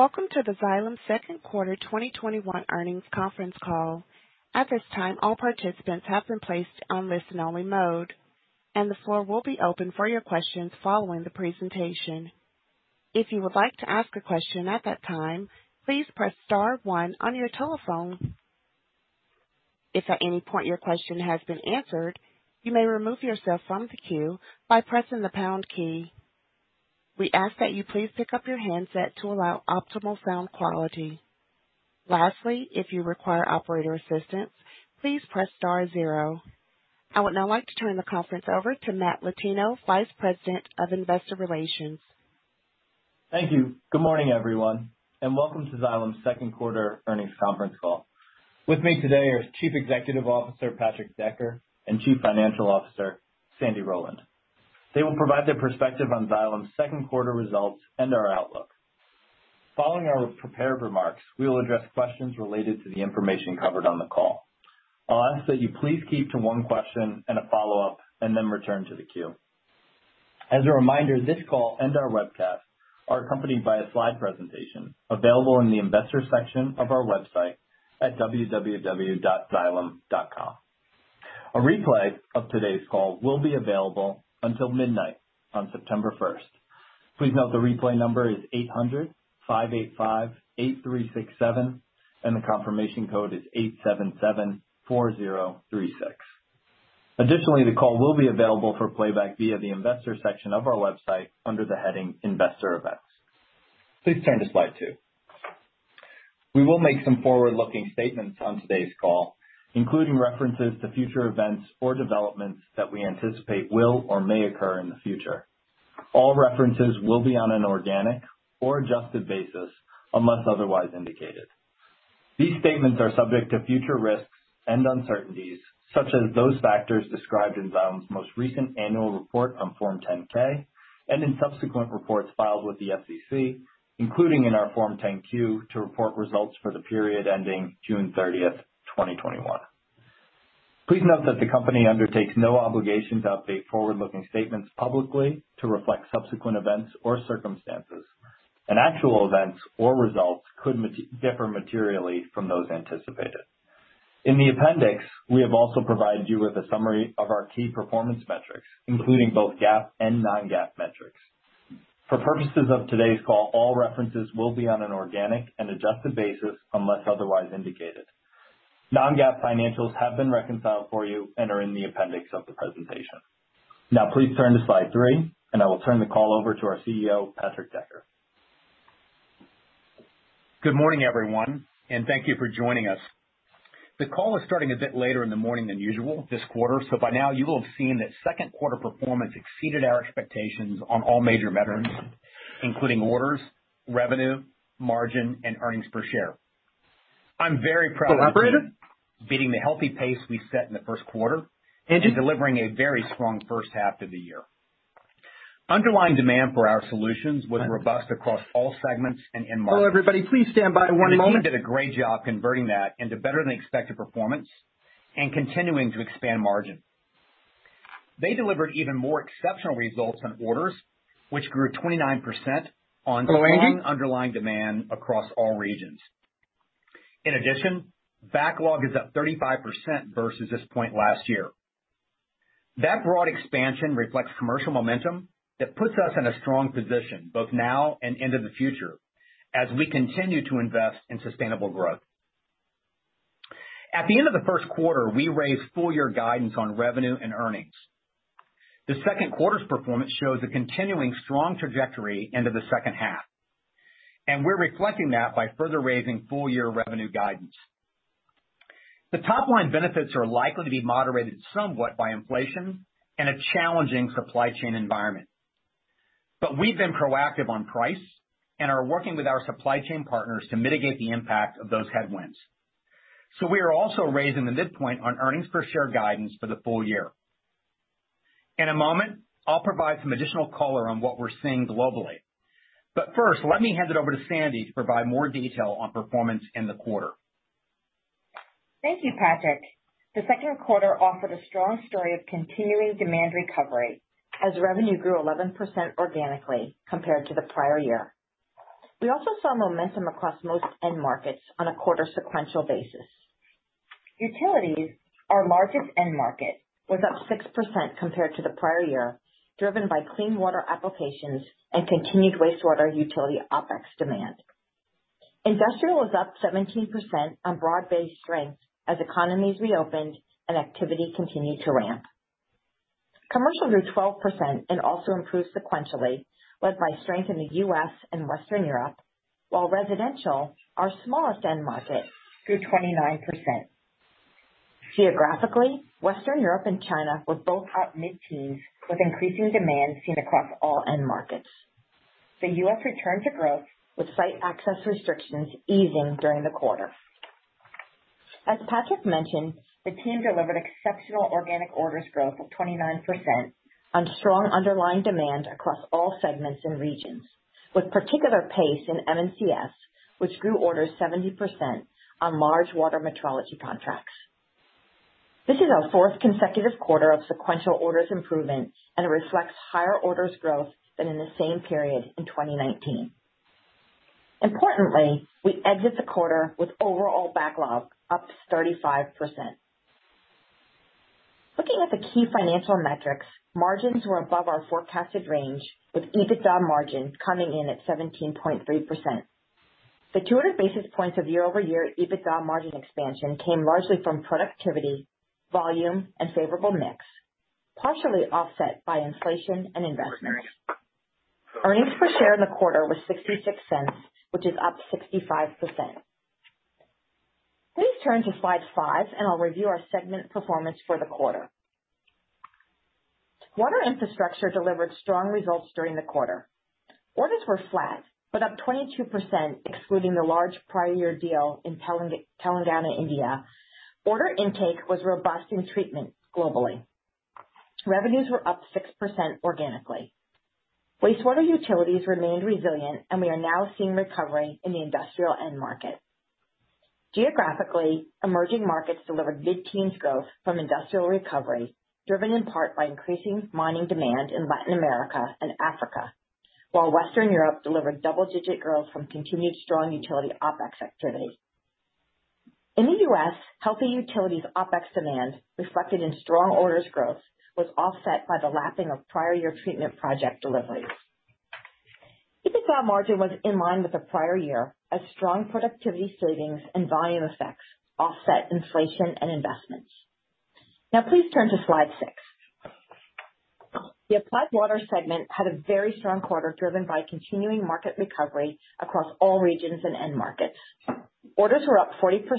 Welcome to the Xylem Second Quarter 2021 Earnings Conference Call. At this time all participants have been placed on listen-only mode and the floor will be open for your questions following the presentations. If you would like to ask a question at that time please press star one on your telephone. If at any point your question has been answered you may remove yourself from the queue by pressing the pound key. We ask that you please pick up your handset to allow optimal sound quality. Lastly, if you require operator's assistance please press star zero. I would now like to turn the conference over to Matt Latino, Vice President of Investor Relations. Thank you. Good morning, everyone, and welcome to Xylem's second quarter earnings conference call. With me today are Chief Executive Officer, Patrick Decker, and Chief Financial Officer, Sandra Rowland. They will provide their perspective on Xylem's second quarter results and our outlook. Following our prepared remarks, we will address questions related to the information covered on the call. I'll ask that you please keep to one question and a follow-up. Then return to the queue. As a reminder, this call and our webcast are accompanied by a slide presentation available in the Investors section of our website at www.xylem.com. A replay of today's call will be available until midnight on September 1st. Please note the replay number is 800-585-8367. The confirmation code is 8774036. Additionally, the call will be available for playback via the Investors section of our website under the heading Investor Events. Please turn to Slide two. We will make some forward-looking statements on today's call, including references to future events or developments that we anticipate will or may occur in the future. All references will be on an organic or adjusted basis unless otherwise indicated. These statements are subject to future risks and uncertainties, such as those factors described in Xylem's most recent annual report on Form 10-K and in subsequent reports filed with the SEC, including in our Form 10-Q to report results for the period ending June 30th, 2021. Please note that the company undertakes no obligation to update forward-looking statements publicly to reflect subsequent events or circumstances, and actual events or results could differ materially from those anticipated. In the appendix, we have also provided you with a summary of our key performance metrics, including both GAAP and non-GAAP metrics. For purposes of today's call, all references will be on an organic and adjusted basis unless otherwise indicated. Non-GAAP financials have been reconciled for you and are in the appendix of the presentation. Please turn to Slide three, and I will turn the call over to our CEO, Patrick Decker. Good morning, everyone, and thank you for joining us. The call is starting a bit later in the morning than usual this quarter, so by now you will have seen that second quarter performance exceeded our expectations on all major metrics, including orders, revenue, margin, and earnings per share. I'm very proud of our team beating the healthy pace we set in the first quarter and delivering a very strong first half to the year. Underlying demand for our solutions was robust across all segments and end markets. Hello, everybody. Please stand by one moment. The team did a great job converting that into better than expected performance and continuing to expand margin. They delivered even more exceptional results on orders, which grew 29%. Strong underlying demand across all regions. In addition, backlog is up 35% versus this point last year. That broad expansion reflects commercial momentum that puts us in a strong position both now and into the future as we continue to invest in sustainable growth. At the end of the first quarter, we raised full-year guidance on revenue and earnings. The second quarter's performance shows a continuing strong trajectory into the second half. We're reflecting that by further raising full-year revenue guidance. The top line benefits are likely to be moderated somewhat by inflation and a challenging supply chain environment. We've been proactive on price and are working with our supply chain partners to mitigate the impact of those headwinds. We are also raising the midpoint on earnings per share guidance for the full-year. In a moment, I'll provide some additional color on what we're seeing globally. First, let me hand it over to Sandy to provide more detail on performance in the quarter. Thank you, Patrick. The second quarter offered a strong story of continuing demand recovery as revenue grew 11% organically compared to the prior year. We also saw momentum across most end markets on a quarter sequential basis. Utilities, our largest end market, was up 6% compared to the prior year, driven by clean water applications and continued wastewater utility OpEx demand. Industrial was up 17% on broad-based strength as economies reopened and activity continued to ramp. Commercial grew 12% and also improved sequentially, led by strength in the U.S. and Western Europe, while Residential, our smallest end market, grew 29%. Geographically, Western Europe and China was both up mid-teens with increasing demand seen across all end markets. The U.S. returned to growth with site access restrictions easing during the quarter. As Patrick mentioned, the team delivered exceptional organic orders growth of 29% on strong underlying demand across all segments and regions, with particular pace in M&CS, which grew orders 70% on large water metrology contracts. This is our fourth consecutive quarter of sequential orders improvement, and it reflects higher orders growth than in the same period in 2019. Importantly, we exit the quarter with overall backlog up 35%. Looking at the key financial metrics, margins were above our forecasted range, with EBITDA margin coming in at 17.3%. The 200 basis points of year-over-year EBITDA margin expansion came largely from productivity, volume, and favorable mix, partially offset by inflation and investments. Earnings per share in the quarter was $0.66, which is up 65%. Please turn to Slide five, and I'll review our segment performance for the quarter. Water Infrastructure delivered strong results during the quarter. Orders were flat, but up 22% excluding the large prior year deal in Telangana, India. Order intake was robust in treatment globally. Revenues were up 6% organically. Wastewater utilities remained resilient, and we are now seeing recovery in the industrial end market. Geographically, emerging markets delivered mid-teens growth from industrial recovery, driven in part by increasing mining demand in Latin America and Africa. While Western Europe delivered double-digit growth from continued strong utility OpEx activity. In the U.S., healthy utilities OpEx demand, reflected in strong orders growth, was offset by the lapping of prior year treatment project deliveries. EBITDA margin was in line with the prior year as strong productivity savings and volume effects offset inflation and investments. Please turn to Slide six. The Applied Water segment had a very strong quarter, driven by continuing market recovery across all regions and end markets. Orders were up 43%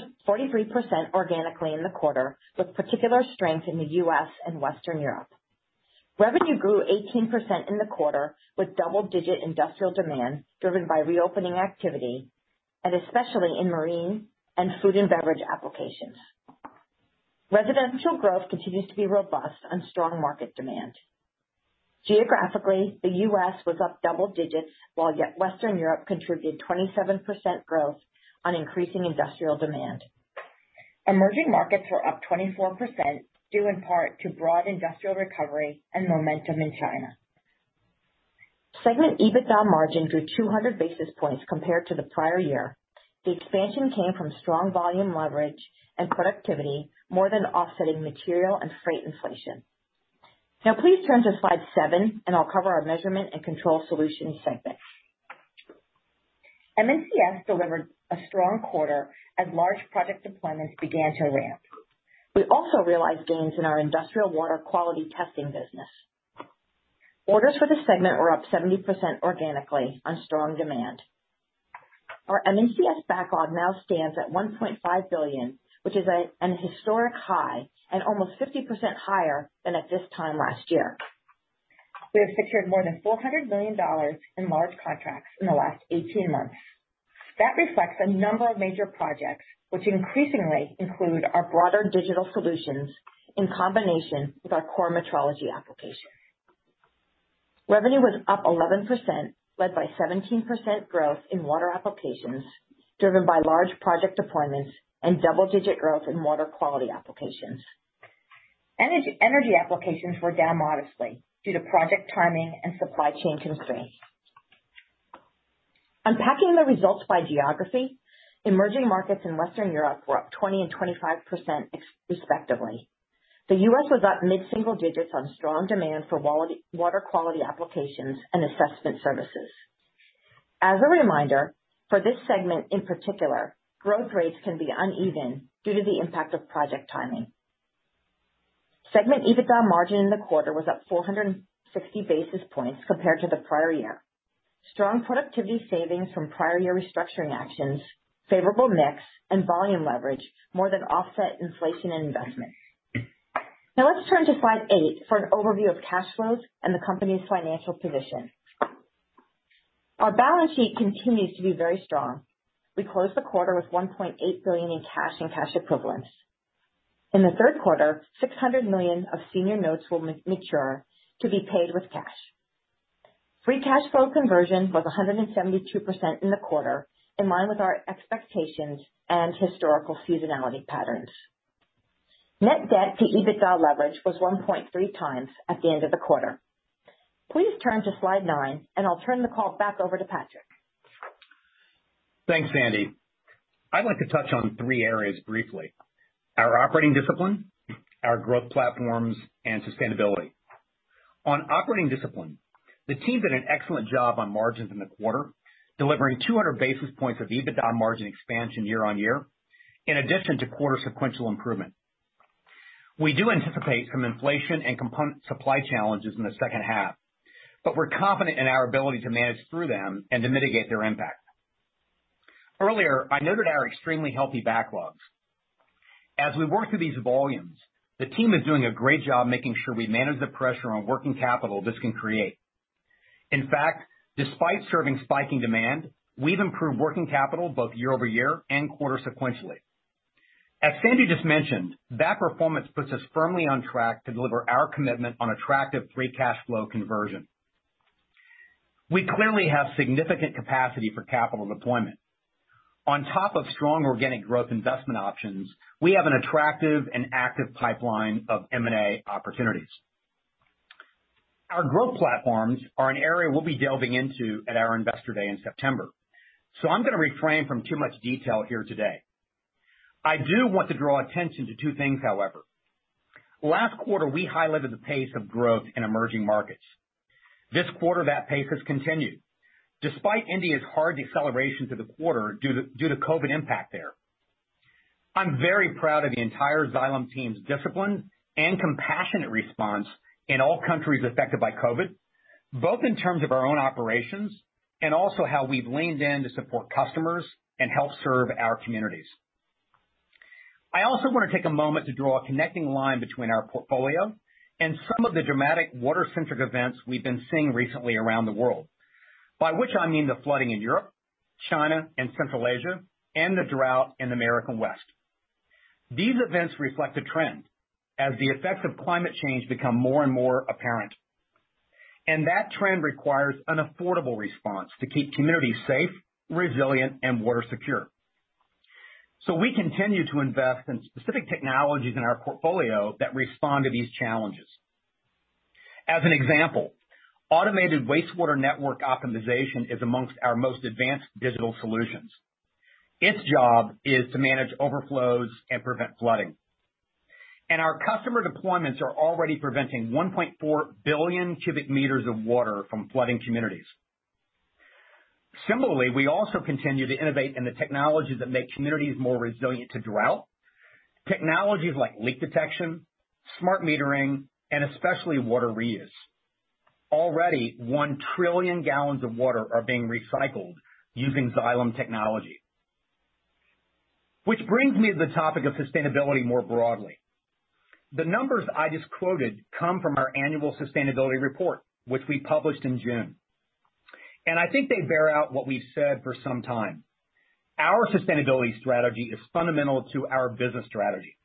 organically in the quarter, with particular strength in the U.S. and Western Europe. Revenue grew 18% in the quarter, with double-digit industrial demand driven by reopening activity, and especially in marine and food and beverage applications. Residential growth continues to be robust on strong market demand. Geographically, the U.S. was up double-digits, while Western Europe contributed 27% growth on increasing industrial demand. Emerging markets were up 24%, due in part to broad industrial recovery and momentum in China. Segment EBITDA margin grew 200 basis points compared to the prior year. The expansion came from strong volume leverage and productivity, more than offsetting material and freight inflation. Now please turn to Slide seven, and I'll cover our Measurement and Control Solutions segment. M&CS delivered a strong quarter as large project deployments began to ramp. We also realized gains in our industrial water quality testing business. Orders for the segment were up 70% organically on strong demand. Our M&CS backlog now stands at $1.5 billion, which is an historic high and almost 50% higher than at this time last year. We have secured more than $400 million in large contracts in the last 18 months. That reflects a number of major projects which increasingly include our broader digital solutions in combination with our core metrology applications. Revenue was up 11%, led by 17% growth in water applications, driven by large project deployments and double-digit growth in water quality applications. Energy applications were down modestly due to project timing and supply chain constraints. Unpacking the results by geography, emerging markets in Western Europe were up 20% and 25% respectively. The U.S. was up mid-single digits on strong demand for water quality applications and assessment services. As a reminder, for this segment in particular, growth rates can be uneven due to the impact of project timing. Segment EBITDA margin in the quarter was up 460 basis points compared to the prior year. Strong productivity savings from prior year restructuring actions, favorable mix, and volume leverage more than offset inflation and investments. Let's turn to Slide eight for an overview of cash flows and the company's financial position. Our balance sheet continues to be very strong. We closed the quarter with $1.8 billion in cash and cash equivalents. In the third quarter, $600 million of senior notes will mature to be paid with cash. Free cash flow conversion was 172% in the quarter, in line with our expectations and historical seasonality patterns. Net debt to EBITDA leverage was 1.3x at the end of the quarter. Please turn to slide nine, and I'll turn the call back over to Patrick. Thanks, Sandy. I'd like to touch on three areas briefly. Our operating discipline, our growth platforms, and sustainability. On operating discipline, the team did an excellent job on margins in the quarter, delivering 200 basis points of EBITDA margin expansion year-on-year, in addition to quarter sequential improvement. We do anticipate some inflation and component supply challenges in the second half, but we're confident in our ability to manage through them and to mitigate their impact. Earlier, I noted our extremely healthy backlogs. As we work through these volumes, the team is doing a great job making sure we manage the pressure on working capital this can create. In fact, despite serving spiking demand, we've improved working capital both year-over-year and quarter sequentially. As Sandy just mentioned, that performance puts us firmly on track to deliver our commitment on attractive free cash flow conversion. We clearly have significant capacity for capital deployment. On top of strong organic growth investment options, we have an attractive and active pipeline of M&A opportunities. Our growth platforms are an area we'll be delving into at our Investor Day in September, so I'm going to refrain from too much detail here today. I do want to draw attention to two things, however. Last quarter, we highlighted the pace of growth in emerging markets. This quarter, that pace has continued despite India's hard deceleration through the quarter due to COVID impact there. I'm very proud of the entire Xylem team's discipline and compassionate response in all countries affected by COVID, both in terms of our own operations and also how we've leaned in to support customers and help serve our communities. I also want to take a moment to draw a connecting line between our portfolio and some of the dramatic water-centric events we've been seeing recently around the world, by which I mean the flooding in Europe, China, and Central Asia, and the drought in the American West. These events reflect a trend as the effects of climate change become more and more apparent, that trend requires an affordable response to keep communities safe, resilient, and water secure. We continue to invest in specific technologies in our portfolio that respond to these challenges. As an example, automated wastewater network optimization is amongst our most advanced digital solutions. Its job is to manage overflows and prevent flooding. Our customer deployments are already preventing 1.4 billion BCM of water from flooding communities. Similarly, we also continue to innovate in the technologies that make communities more resilient to drought, technologies like leak detection, smart metering, and especially water reuse. Already, 1 trillion gallons of water are being recycled using Xylem technology. Which brings me to the topic of sustainability more broadly. The numbers I just quoted come from our annual sustainability report, which we published in June, and I think they bear out what we've said for some time. Our sustainability strategy is fundamental to our business strategy.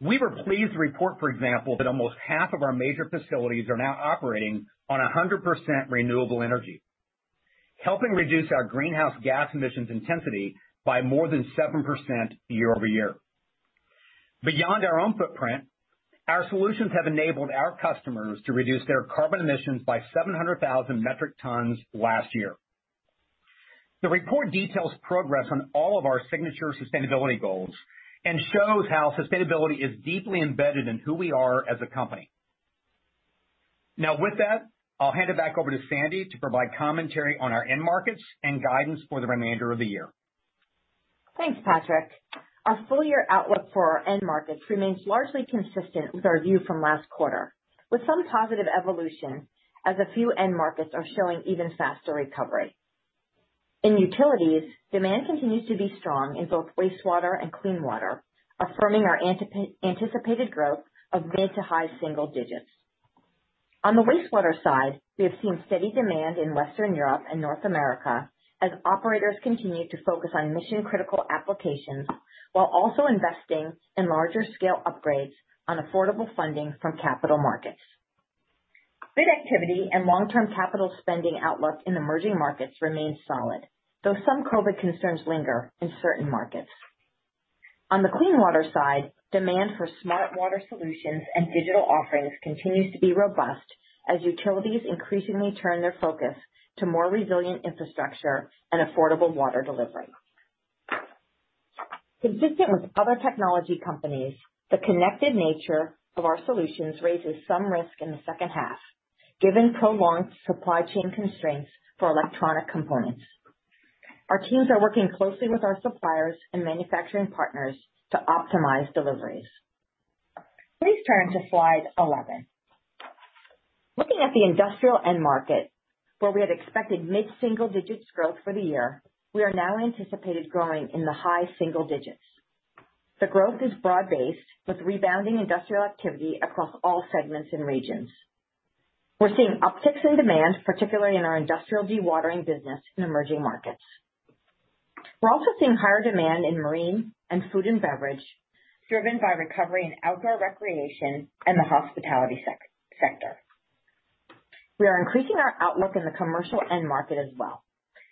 We were pleased to report, for example, that almost half of our major facilities are now operating on 100% renewable energy, helping reduce our greenhouse gas emissions intensity by more than 7% year-over-year. Beyond our own footprint, our solutions have enabled our customers to reduce their carbon emissions by 700,000 metric tons last year. The report details progress on all of our signature sustainability goals and shows how sustainability is deeply embedded in who we are as a company. Now, with that, I'll hand it back over to Sandy to provide commentary on our end markets and guidance for the remainder of the year. Thanks, Patrick. Our full-year outlook for our end markets remains largely consistent with our view from last quarter, with some positive evolution as a few end markets are showing even faster recovery. In utilities, demand continues to be strong in both wastewater and clean water, affirming our anticipated growth of mid to high single digits. On the wastewater side, we have seen steady demand in Western Europe and North America as operators continue to focus on mission-critical applications while also investing in larger scale upgrades on affordable funding from capital markets. Bid activity and long-term capital spending outlook in emerging markets remains solid, though some COVID concerns linger in certain markets. On the clean water side, demand for smart water solutions and digital offerings continues to be robust as utilities increasingly turn their focus to more resilient infrastructure and affordable water delivery. Consistent with other technology companies, the connected nature of our solutions raises some risk in the second half, given prolonged supply chain constraints for electronic components. Our teams are working closely with our suppliers and manufacturing partners to optimize deliveries. Please turn to Slide 11. Looking at the industrial end market, where we had expected mid-single digits growth for the year, we are now anticipated growing in the high-single-digits. The growth is broad-based, with rebounding industrial activity across all segments and regions. We're seeing upticks in demand, particularly in our industrial dewatering business in emerging markets. We're also seeing higher demand in marine and food and beverage, driven by recovery in outdoor recreation and the hospitality sector. We are increasing our outlook in the commercial end market as well.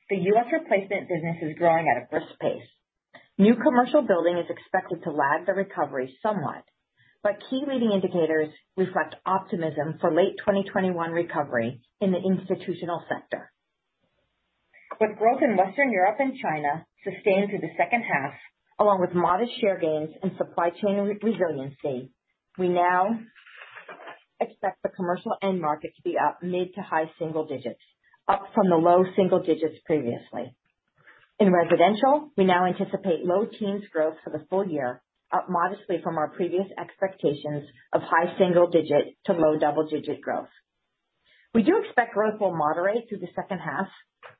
The U.S. replacement business is growing at a brisk pace. New commercial building is expected to lag the recovery somewhat, but key leading indicators reflect optimism for late 2021 recovery in the institutional sector. With growth in Western Europe and China sustained through the second half, along with modest share gains and supply chain resiliency, we now expect the commercial end market to be up mid- to high-single digits, up from the low-single digits previously. In residential, we now anticipate low-teens growth for the full-year, up modestly from our previous expectations of high-single-digit to low-double-digit growth. We do expect growth will moderate through the second half,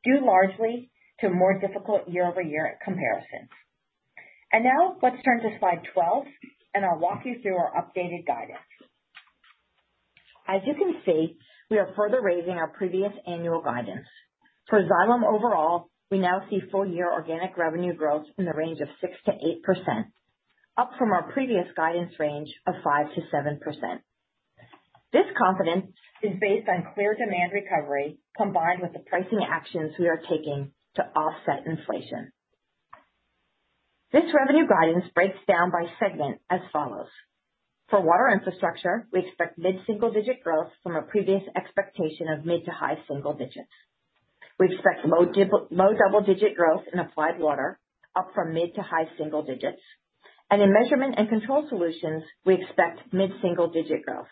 due largely to more difficult year-over-year comparisons. Now let's turn to Slide 12, and I'll walk you through our updated guidance. As you can see, we are further raising our previous annual guidance. For Xylem overall, we now see full-year organic revenue growth in the range of 6%-8%, up from our previous guidance range of 5%-7%. This confidence is based on clear demand recovery combined with the pricing actions we are taking to offset inflation. This revenue guidance breaks down by segment as follows. For Water Infrastructure, we expect mid-single-digit growth from a previous expectation of mid to high-single digits. We expect low double-digit growth in Applied Water, up from mid to high-single digits. In Measurement and Control Solutions, we expect mid-single-digit growth.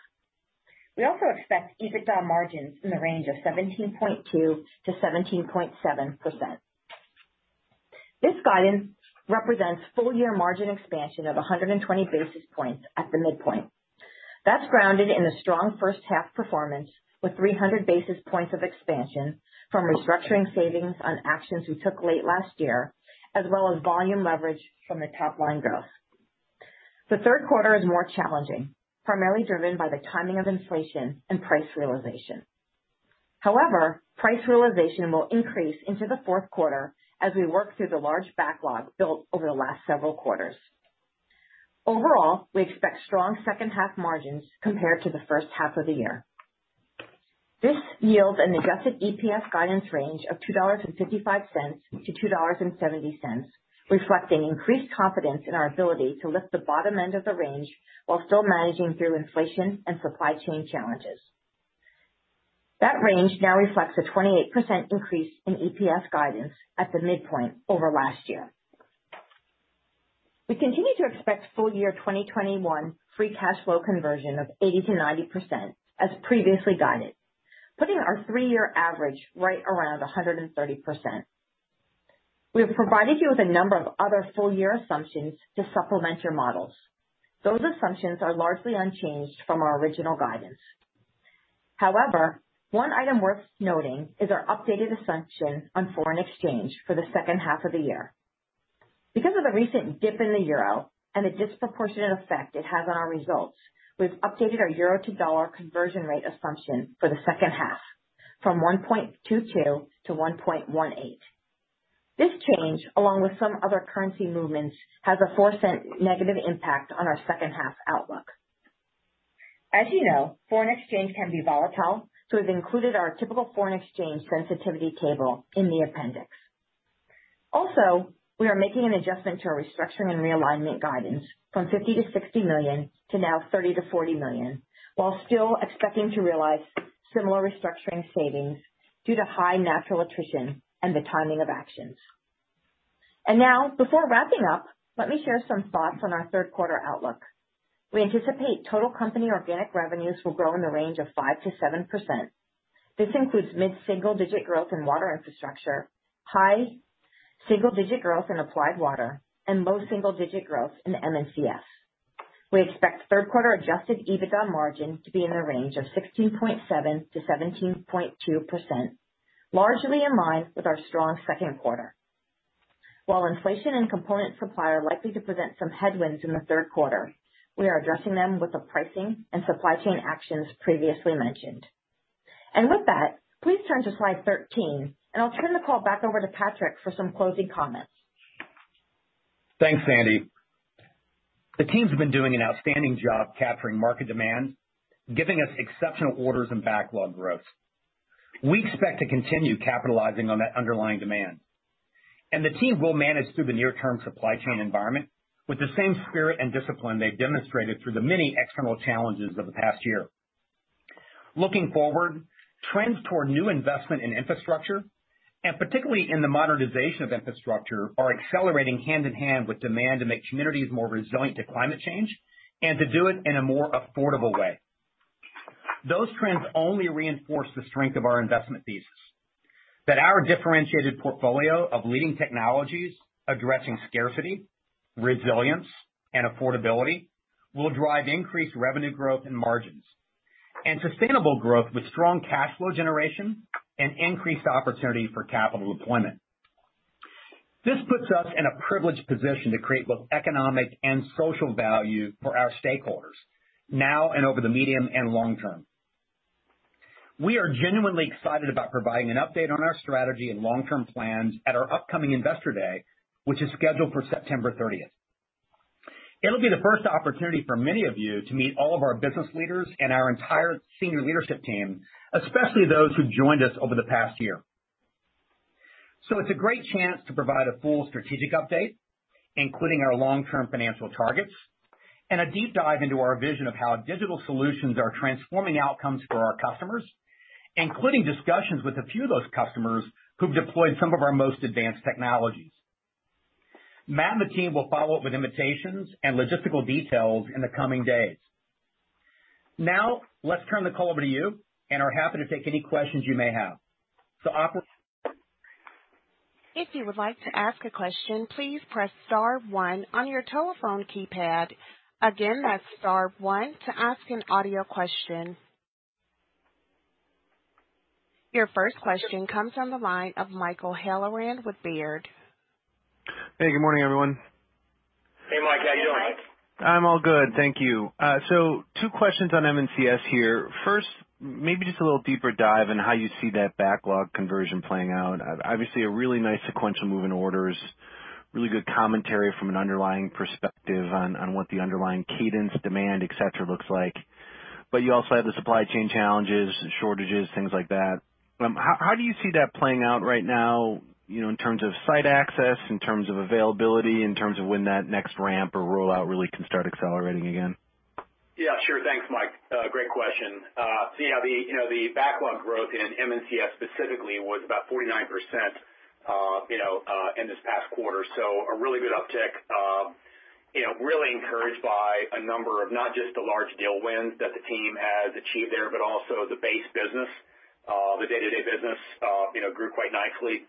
We also expect EBITDA margins in the range of 17.2%-17.7%. This guidance represents full-year margin expansion of 120 basis points at the midpoint. That's grounded in a strong first half performance with 300 basis points of expansion from restructuring savings on actions we took late last year, as well as volume leverage from the top-line growth. The third quarter is more challenging, primarily driven by the timing of inflation and price realization. However, price realization will increase into the fourth quarter as we work through the large backlog built over the last several quarters. Overall, we expect strong second half margins compared to the first half of the year. This yields an adjusted EPS guidance range of $2.55-$2.70, reflecting increased confidence in our ability to lift the bottom end of the range while still managing through inflation and supply chain challenges. That range now reflects a 28% increase in EPS guidance at the midpoint over last year. We continue to expect full-year 2021 free cash flow conversion of 80%-90% as previously guided, putting our three-year average right around 130%. We have provided you with a number of other full-year assumptions to supplement your models. Those assumptions are largely unchanged from our original guidance. However, one item worth noting is our updated assumption on foreign exchange for the second half of the year. Because of the recent dip in the euro and the disproportionate effect it has on our results, we've updated our euro to dollar conversion rate assumption for the second half from 1.22 to 1.18. This change, along with some other currency movements, has a $0.04 negative impact on our second half outlook. As you know, foreign exchange can be volatile, so we've included our typical foreign exchange sensitivity table in the appendix. We are making an adjustment to our restructuring and realignment guidance from $50 million-$60 million to now $30 million-$40 million, while still expecting to realize similar restructuring savings due to high natural attrition and the timing of actions. Now, before wrapping up, let me share some thoughts on our third quarter outlook. We anticipate total company organic revenues will grow in the range of 5%-7%. This includes mid-single-digit growth in Water Infrastructure, high single-digit growth in Applied Water, and low single-digit growth in M&CS. We expect third quarter adjusted EBITDA margin to be in the range of 16.7%-17.2%, largely in line with our strong second quarter. While inflation and component supply are likely to present some headwinds in the third quarter, we are addressing them with the pricing and supply chain actions previously mentioned. With that, please turn to Slide 13, and I'll turn the call back over to Patrick for some closing comments. Thanks, Sandy. The teams have been doing an outstanding job capturing market demand, giving us exceptional orders and backlog growth. We expect to continue capitalizing on that underlying demand. The team will manage through the near-term supply chain environment with the same spirit and discipline they've demonstrated through the many external challenges of the past year. Looking forward, trends toward new investment in infrastructure, and particularly in the modernization of infrastructure, are accelerating hand-in-hand with demand to make communities more resilient to climate change and to do it in a more affordable way. Those trends only reinforce the strength of our investment thesis that our differentiated portfolio of leading technologies addressing scarcity, resilience, and affordability will drive increased revenue growth and margins and sustainable growth with strong cash flow generation and increased opportunity for capital deployment. This puts us in a privileged position to create both economic and social value for our stakeholders now and over the medium and long term. We are genuinely excited about providing an update on our strategy and long-term plans at our upcoming Investor Day, which is scheduled for September 30th. It'll be the first opportunity for many of you to meet all of our business leaders and our entire senior leadership team, especially those who've joined us over the past year. It's a great chance to provide a full strategic update, including our long-term financial targets and a deep dive into our vision of how digital solutions are transforming outcomes for our customers, including discussions with a few of those customers who've deployed some of our most advanced technologies. Matt and the team will follow up with invitations and logistical details in the coming days. Now, let's turn the call over to you and are happy to take any questions you may have. If you would like to ask a question, please press star one on your telephone keypad. Again, that's star one to ask an audio question. Your first question comes from the line of Michael Halloran with Baird. Hey, good morning, everyone. Hey, Mike. How you doing? I'm all good. Thank you. Two questions on M&CS here. First, maybe just a little deeper dive on how you see that backlog conversion playing out. Obviously, a really nice sequential move in orders, really good commentary from an underlying perspective on what the underlying cadence, demand, et cetera, looks like. You also have the supply chain challenges, shortages, things like that. How do you see that playing out right now in terms of site access, in terms of availability, in terms of when that next ramp or rollout really can start accelerating again? Yeah, sure. Thanks, Mike. Great question. Yeah, the backlog growth in M&CS specifically was about 49% in this past quarter. A really good uptick. Really encouraged by a number of not just the large deal wins that the team has achieved there, but also the base business. The day-to-day business grew quite nicely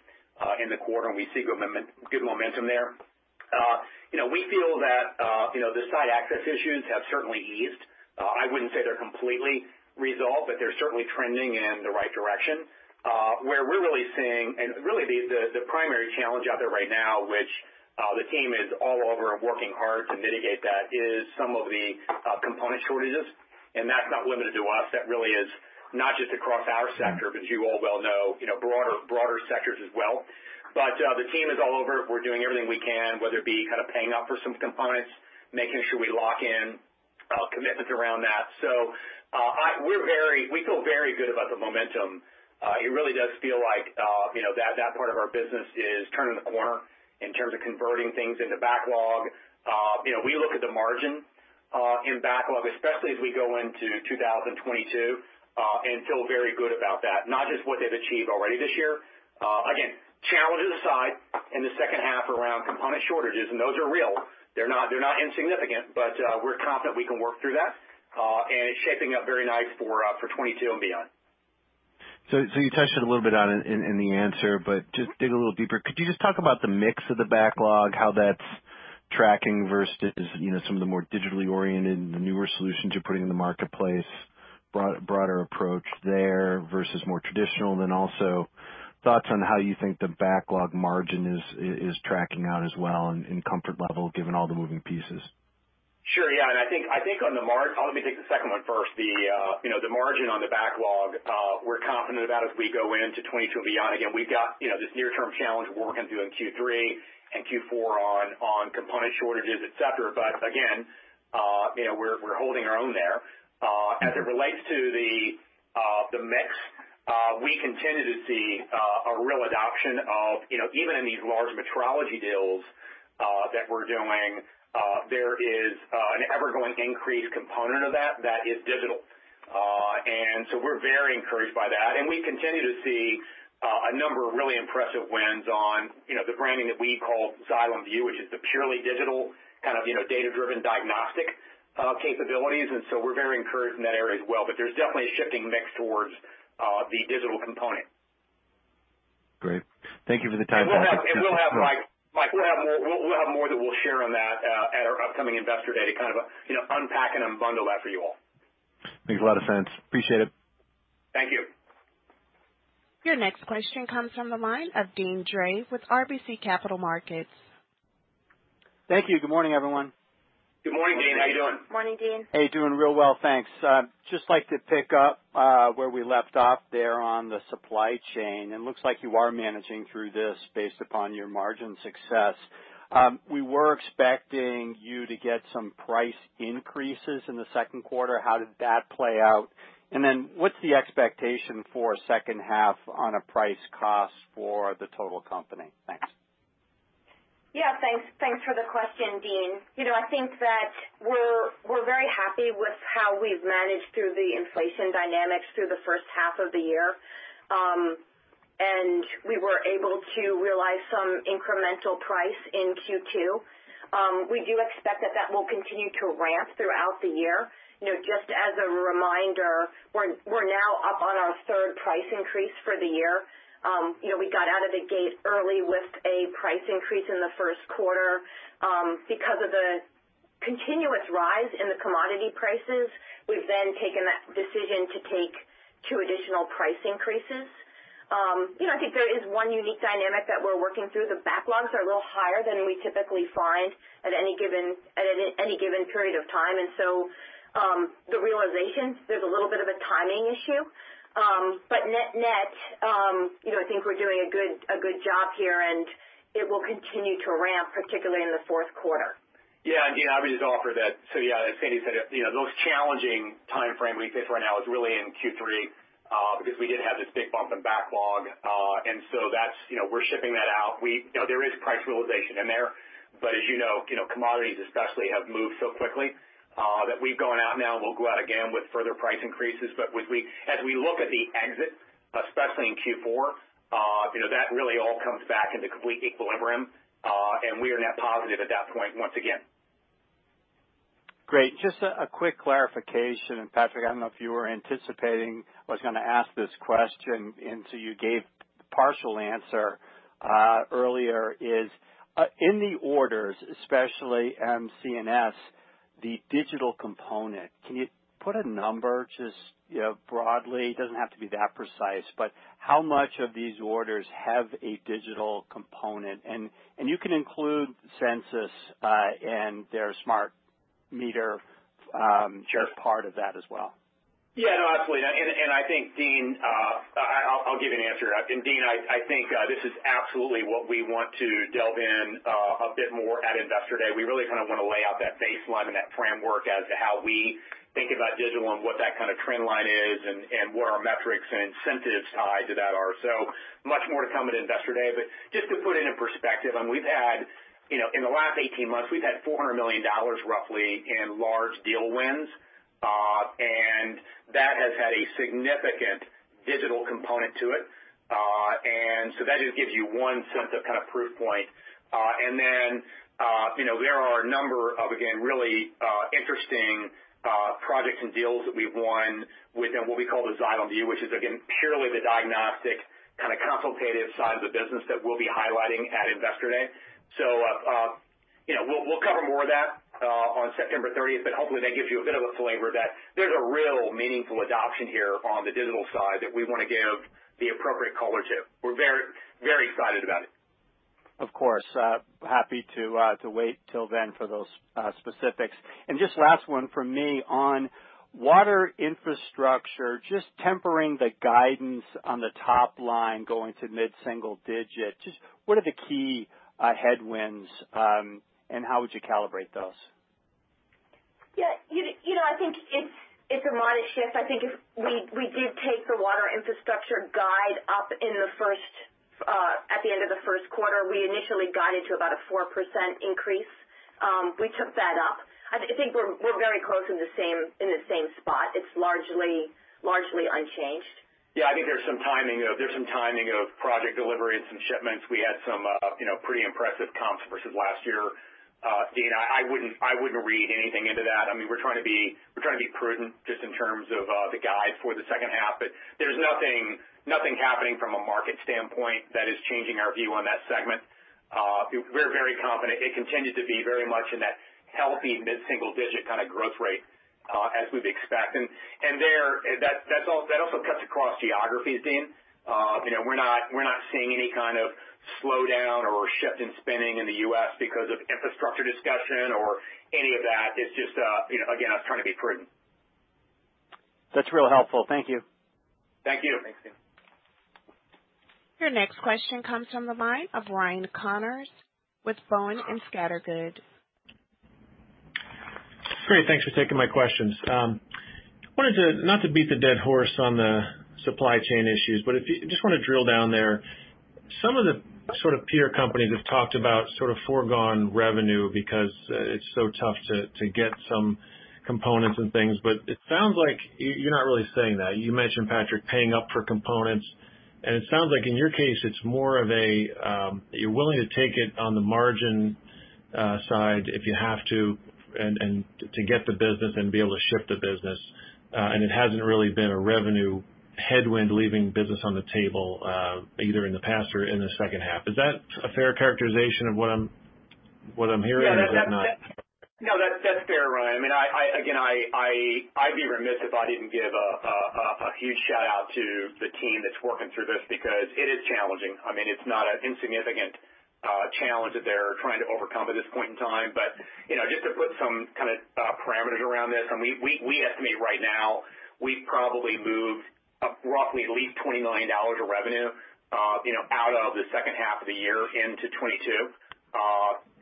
in the quarter, and we see good momentum there. We feel that the site access issues have certainly eased. I wouldn't say they're completely resolved, but they're certainly trending in the right direction. Where we're really seeing, and really the primary challenge out there right now, which the team is all over and working hard to mitigate that, is some of the component shortages, and that's not limited to us. That really is not just across our sector, but as you all well know, broader sectors as well. The team is all over it. We're doing everything we can, whether it be kind of paying up for some components, making sure we lock in commitments around that. We feel very good about the momentum. It really does feel like that part of our business is turning the corner in terms of converting things into backlog. We look at the margin in backlog, especially as we go into 2022, and feel very good about that, not just what they've achieved already this year. Challenges aside in the second half around component shortages, and those are real. They're not insignificant, but we're confident we can work through that. It's shaping up very nice for 2022 and beyond. You touched on it a little bit in the answer, but just dig a little deeper. Could you just talk about the mix of the backlog, how that's tracking versus some of the more digitally oriented and the newer solutions you're putting in the marketplace, broader approach there versus more traditional? Also thoughts on how you think the backlog margin is tracking out as well and comfort level given all the moving pieces? Sure. Yeah. I think on the let me take the second one first. The margin on the backlog, we're confident about as we go into 2022 and beyond. We've got this near-term challenge we're working through in Q3 and Q4 on component shortages, et cetera, but again, we're holding our own there. As it relates to the mix, we continue to see a real adoption of, even in these large metrology deals that we're doing, there is an ever-growing increased component of that that is digital. We're very encouraged by that, and we continue to see a number of really impressive wins on the branding that we call Xylem Vue, which is the purely digital kind of data-driven diagnostic capabilities. We're very encouraged in that area as well, but there's definitely a shifting mix towards the digital component. Great. Thank you for the time, Patrick. Michael, we'll have more that we'll share on that at our upcoming Investor Day to kind of unpack and unbundle that for you all. Makes a lot of sense. Appreciate it. Thank you. Your next question comes from the line of Deane Dray with RBC Capital Markets. Thank you. Good morning, everyone. Good morning, Deane. How you doing? Morning, Deane. Hey, doing real well, thanks. Just like to pick up where we left off there on the supply chain. It looks like you are managing through this based upon your margin success. We were expecting you to get some price increases in the second quarter. How did that play out? What's the expectation for second half on a price cost for the total company? Thanks. Yeah, thanks for the question, Deane. I think that we're very happy with how we've managed through the inflation dynamics through the first half of the year. We were able to realize some incremental price in Q2. We do expect that that will continue to ramp throughout the year. Just as a reminder, we're now up on our third price increase for the year. We got out of the gate early with a price increase in the first quarter. Because of the continuous rise in the commodity prices, we've then taken that decision to take two additional price increases. I think there is 1 unique dynamic that we're working through. The backlogs are a little higher than we typically find at any given period of time, the realization, there's a little bit of a timing issue. Net net, I think we're doing a good job here, and it will continue to ramp, particularly in the fourth quarter. Yeah. Deane, I would just offer that, as Sandy said, the most challenging timeframe we face right now is really in Q3, because we did have this big bump in backlog. We're shipping that out. There is price realization in there. As you know, commodities especially have moved so quickly, that we've gone out now and we'll go out again with further price increases. As we look at the exit, especially in Q4, that really all comes back into complete equilibrium, and we are net positive at that point once again. Great. Just a quick clarification, Patrick, I don't know if you were anticipating I was going to ask this question, you gave a partial answer earlier, is in the orders, especially M&CS, the digital component, can you put a number, just broadly? It doesn't have to be that precise, how much of these orders have a digital component? You can include Sensus and their smart meter just part of that as well? Yeah, no, absolutely. I think, Deane, I'll give you an answer. Deane, I think this is absolutely what we want to delve in a bit more at Investor Day. We really want to lay out that baseline and that framework as to how we think about digital and what that kind of trend line is and what our metrics and incentives tied to that are. Much more to come at Investor Day, but just to put it in perspective, in the last 18 months, we've had $400 million roughly in large deal wins. That has had a significant digital component to it. That just gives you one sense of kind of proof point. There are a number of, again, really interesting projects and deals that we've won within what we call the Xylem Vue, which is, again, purely the diagnostic kind of consultative side of the business that we'll be highlighting at Investor Day. We'll cover more of that on September 30th, but hopefully that gives you a bit of a flavor that there's a real meaningful adoption here on the digital side that we want to give the appropriate color to. We're very excited about it. Of course. Happy to wait till then for those specifics. Just last one from me on Water Infrastructure, just tempering the guidance on the top line going to mid-single-digit. Just what are the key headwinds, and how would you calibrate those? Yeah. I think it's a modest shift. I think if we did take the Water Infrastructure guide up at the end of the first quarter. We initially guided to about a 4% increase. We took that up. I think we're very close in the same spot. It's largely unchanged. Yeah, I think there's some timing of project delivery and some shipments. We had some pretty impressive comps versus last year. Deane, I wouldn't read anything into that. We're trying to be prudent just in terms of the guide for the second half, but there's nothing happening from a market standpoint that is changing our view on that segment. We're very confident it continues to be very much in that healthy mid-single-digit kind of growth rate as we've expected. That also cuts across geographies, Deane. We're not seeing any kind of slowdown or shift in spending in the U.S. because of infrastructure discussion or any of that. It's just, again, us trying to be prudent. That's real helpful. Thank you. Thank you. Thanks, Deane. Your next question comes from the line of Ryan Connors with Boenning & Scattergood. Great. Thanks for taking my questions. Wanted to not to beat the dead horse on the supply chain issues, just want to drill down there. Some of the sort of peer companies have talked about foregone revenue because it's so tough to get some components and things, it sounds like you're not really saying that. You mentioned, Patrick, paying up for components, it sounds like in your case, it's more of a, you're willing to take it on the margin side if you have to and to get the business and be able to ship the business. It hasn't really been a revenue headwind leaving business on the table, either in the past or in the second half. Is that a fair characterization of what I'm hearing? Yeah. is that not? No, that's fair, Ryan. I'd be remiss if I didn't give a huge shout-out to the team that's working through this because it is challenging. It's not an insignificant challenge that they're trying to overcome at this point in time. Just to put some kind of parameters around this, we estimate right now we probably move roughly at least $20 million of revenue out of the second half of the year into 2022.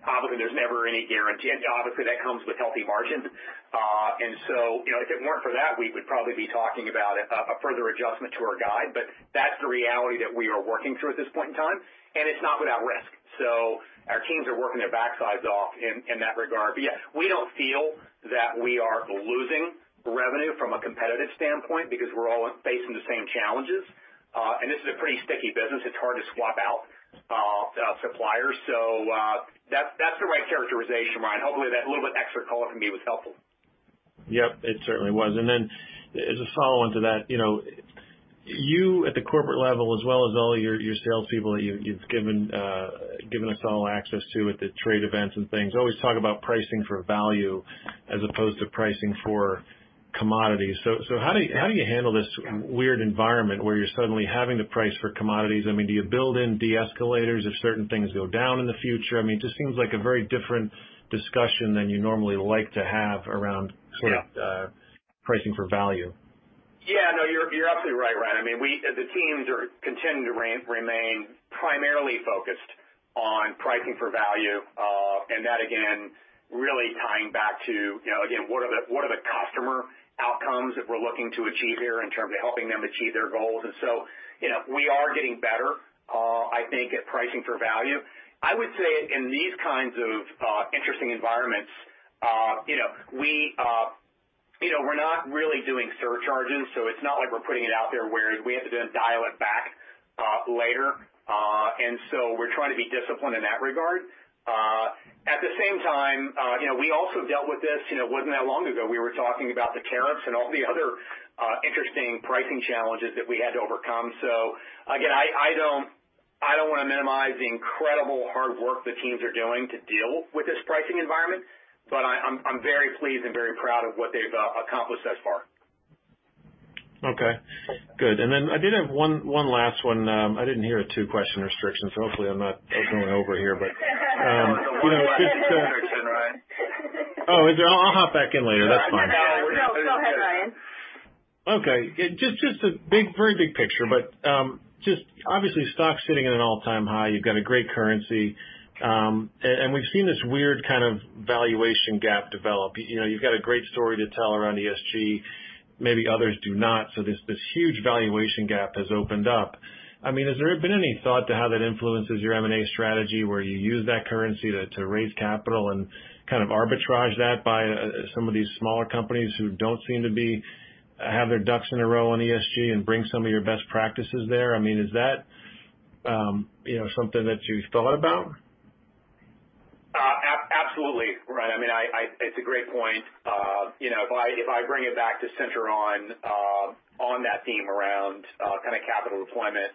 Obviously, there's never any guarantee. Obviously that comes with healthy margins. If it weren't for that, we would probably be talking about a further adjustment to our guide. That's the reality that we are working through at this point in time, and it's not without risk. Our teams are working their backsides off in that regard. Yeah, we don't feel that we are losing revenue from a competitive standpoint because we're all facing the same challenges. This is a pretty sticky business. It's hard to swap out suppliers. That's the right characterization, Ryan. Hopefully that little bit extra color from me was helpful. Yep. It certainly was. As a follow-on to that, you at the corporate level as well as all your salespeople that you've given us all access to at the trade events and things, always talk about pricing for value as opposed to pricing for commodities. How do you handle this weird environment where you're suddenly having to price for commodities? Do you build in de-escalators if certain things go down in the future? Just seems like a very different discussion than you normally like to have around sort of pricing for value. Yeah, no, you're absolutely right, Ryan. The teams continue to remain primarily focused on pricing for value. That, again, really tying back to what are the customer outcomes that we're looking to achieve here in terms of helping them achieve their goals. We are getting better I think at pricing for value. I would say in these kinds of interesting environments, we're not really doing surcharges, so it's not like we're putting it out there where we have to then dial it back later. We're trying to be disciplined in that regard. At the same time, we also dealt with this. It wasn't that long ago, we were talking about the tariffs and all the other interesting pricing challenges that we had to overcome. Again, I don't want to minimize the incredible hard work the teams are doing to deal with this pricing environment, but I'm very pleased and very proud of what they've accomplished thus far. Okay, good. I did have one last one. I didn't hear a two-question restriction, hopefully I'm not totally over here. No, it's a one-question center, Ryan. Oh, is it? I'll hop back in later. That's fine. No, go ahead, Ryan. Okay. Just a very big picture, but just obviously stock's sitting at an all-time high. You've got a great currency. We've seen this weird kind of valuation gap develop. You've got a great story to tell around ESG. Maybe others do not. This huge valuation gap has opened up. Has there been any thought to how that influences your M&A strategy, where you use that currency to raise capital and kind of arbitrage that by some of these smaller companies who don't seem to have their ducks in a row on ESG and bring some of your best practices there? Is that something that you've thought about? Absolutely. Ryan, it's a great point. If I bring it back to center on that theme around capital deployment.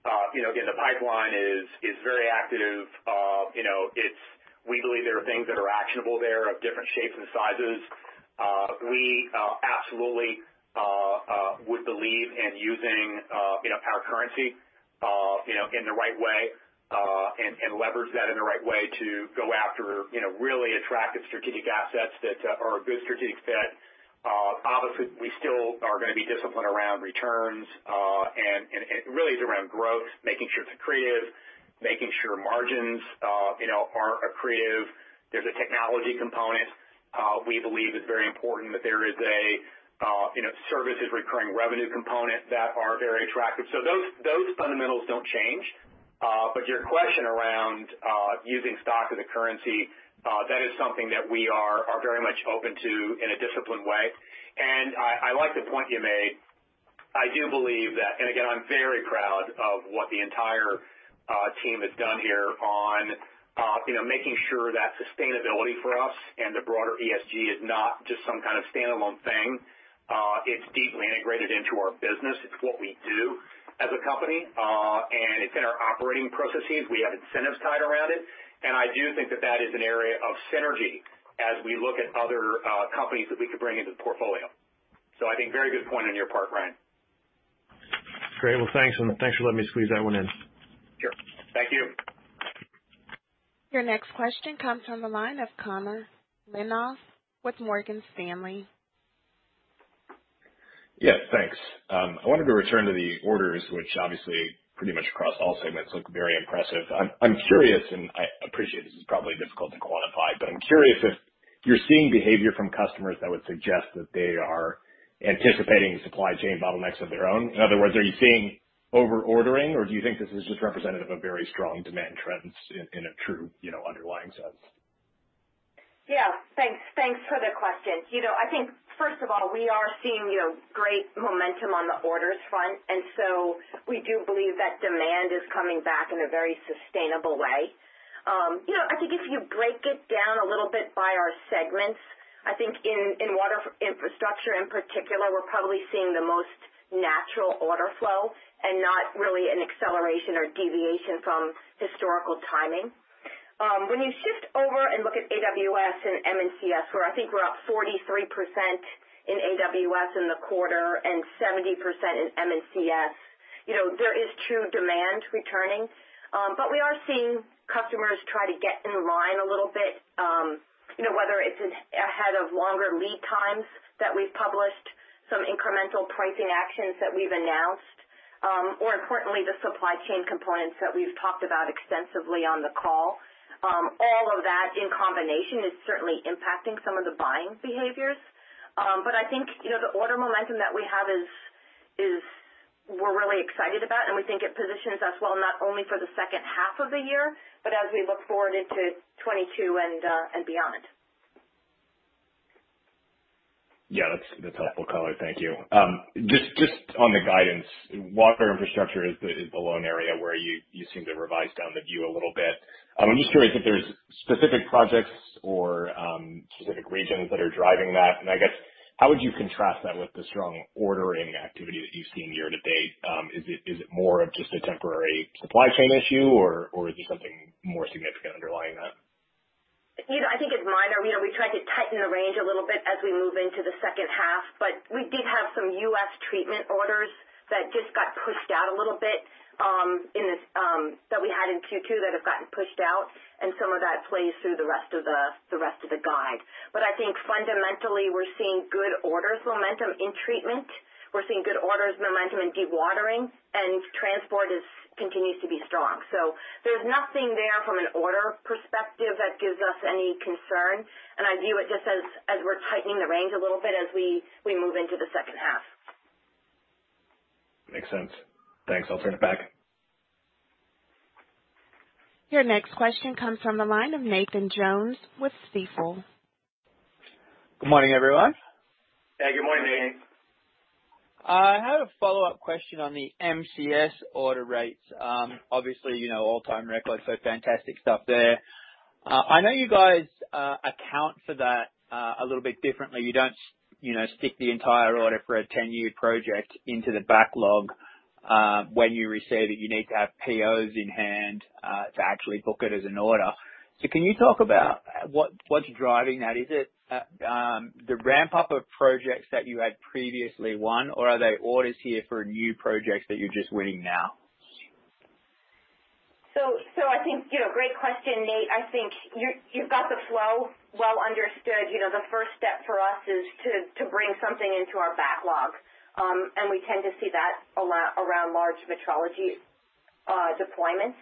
Again, the pipeline is very active. We believe there are things that are actionable there of different shapes and sizes. We absolutely would believe in using our currency in the right way and leverage that in the right way to go after really attractive strategic assets that are a good strategic fit. Obviously, we still are going to be disciplined around returns. It really is around growth, making sure it's accretive, making sure margins are accretive. There's a technology component. We believe it's very important that there is a services recurring revenue component that are very attractive. Those fundamentals don't change. Your question around using stock as a currency, that is something that we are very much open to in a disciplined way. I like the point you made. I do believe that, and again, I'm very proud of what the entire team has done here on making sure that sustainability for us and the broader ESG is not just some kind of standalone thing. It's deeply integrated into our business. It's what we do as a company. It's in our operating processes. We have incentives tied around it. I do think that that is an area of synergy as we look at other companies that we could bring into the portfolio. I think very good point on your part, Ryan. Great. Well, thanks. Thanks for letting me squeeze that one in. Sure. Thank you. Your next question comes from the line of Connor Lynagh with Morgan Stanley. Yeah, thanks. I wanted to return to the orders, which obviously pretty much across all segments look very impressive. I appreciate this is probably difficult to quantify, but I'm curious if you're seeing behavior from customers that would suggest that they are anticipating supply chain bottlenecks of their own. In other words, are you seeing over-ordering, or do you think this is just representative of very strong demand trends in a true underlying sense? Yeah. Thanks for the question. I think first of all, we are seeing great momentum on the orders front. We do believe that demand is coming back in a very sustainable way. I think if you break it down a little bit by our segments, I think in Water Infrastructure in particular, we're probably seeing the most natural order flow and not really an acceleration or deviation from historical timing. When you shift over and look at AWS and M&CS, where I think we're up 43% in AWS in the quarter and 70% in M&CS, there is true demand returning. We are seeing customers try to get in line a little bit, whether it's ahead of longer lead times that we've published, some incremental pricing actions that we've announced, or importantly, the supply chain components that we've talked about extensively on the call. All of that in combination is certainly impacting some of the buying behaviors. I think, the order momentum that we have is we're really excited about, and we think it positions us well, not only for the second half of the year, but as we look forward into 2022 and beyond. That's helpful color. Thank you. Just on the guidance, Water Infrastructure is the lone area where you seem to revise down the view a little bit. I'm just curious if there's specific projects or specific regions that are driving that, and I guess how would you contrast that with the strong ordering activity that you've seen year to date? Is it more of just a temporary supply chain issue, or is there something more significant underlying that? I think it's minor. We tried to tighten the range a little bit as we move into the second half, but we did have some U.S. treatment orders that just got pushed out a little bit that we had in Q2 that have gotten pushed out, and some of that plays through the rest of the guide. I think fundamentally, we're seeing good orders momentum in treatment. We're seeing good orders momentum in dewatering, and transport continues to be strong. There's nothing there from an order perspective that gives us any concern, and I view it just as we're tightening the range a little bit as we move into the second half. Makes sense. Thanks. I'll turn it back. Your next question comes from the line of Nathan Jones with Stifel. Good morning, everyone. Yeah, good morning. I have a follow-up question on the M&CS order rates. Obviously, all-time record, so fantastic stuff there. I know you guys account for that a little bit differently. You don't stick the entire order for a 10-year project into the backlog. When you receive it, you need to have POs in hand to actually book it as an order. Can you talk about what's driving that? Is it the ramp-up of projects that you had previously won, or are they orders here for new projects that you're just winning now? I think, great question, Nate. I think you've got the flow well understood. The first step for us is to bring something into our backlog. We tend to see that around large metrology deployments.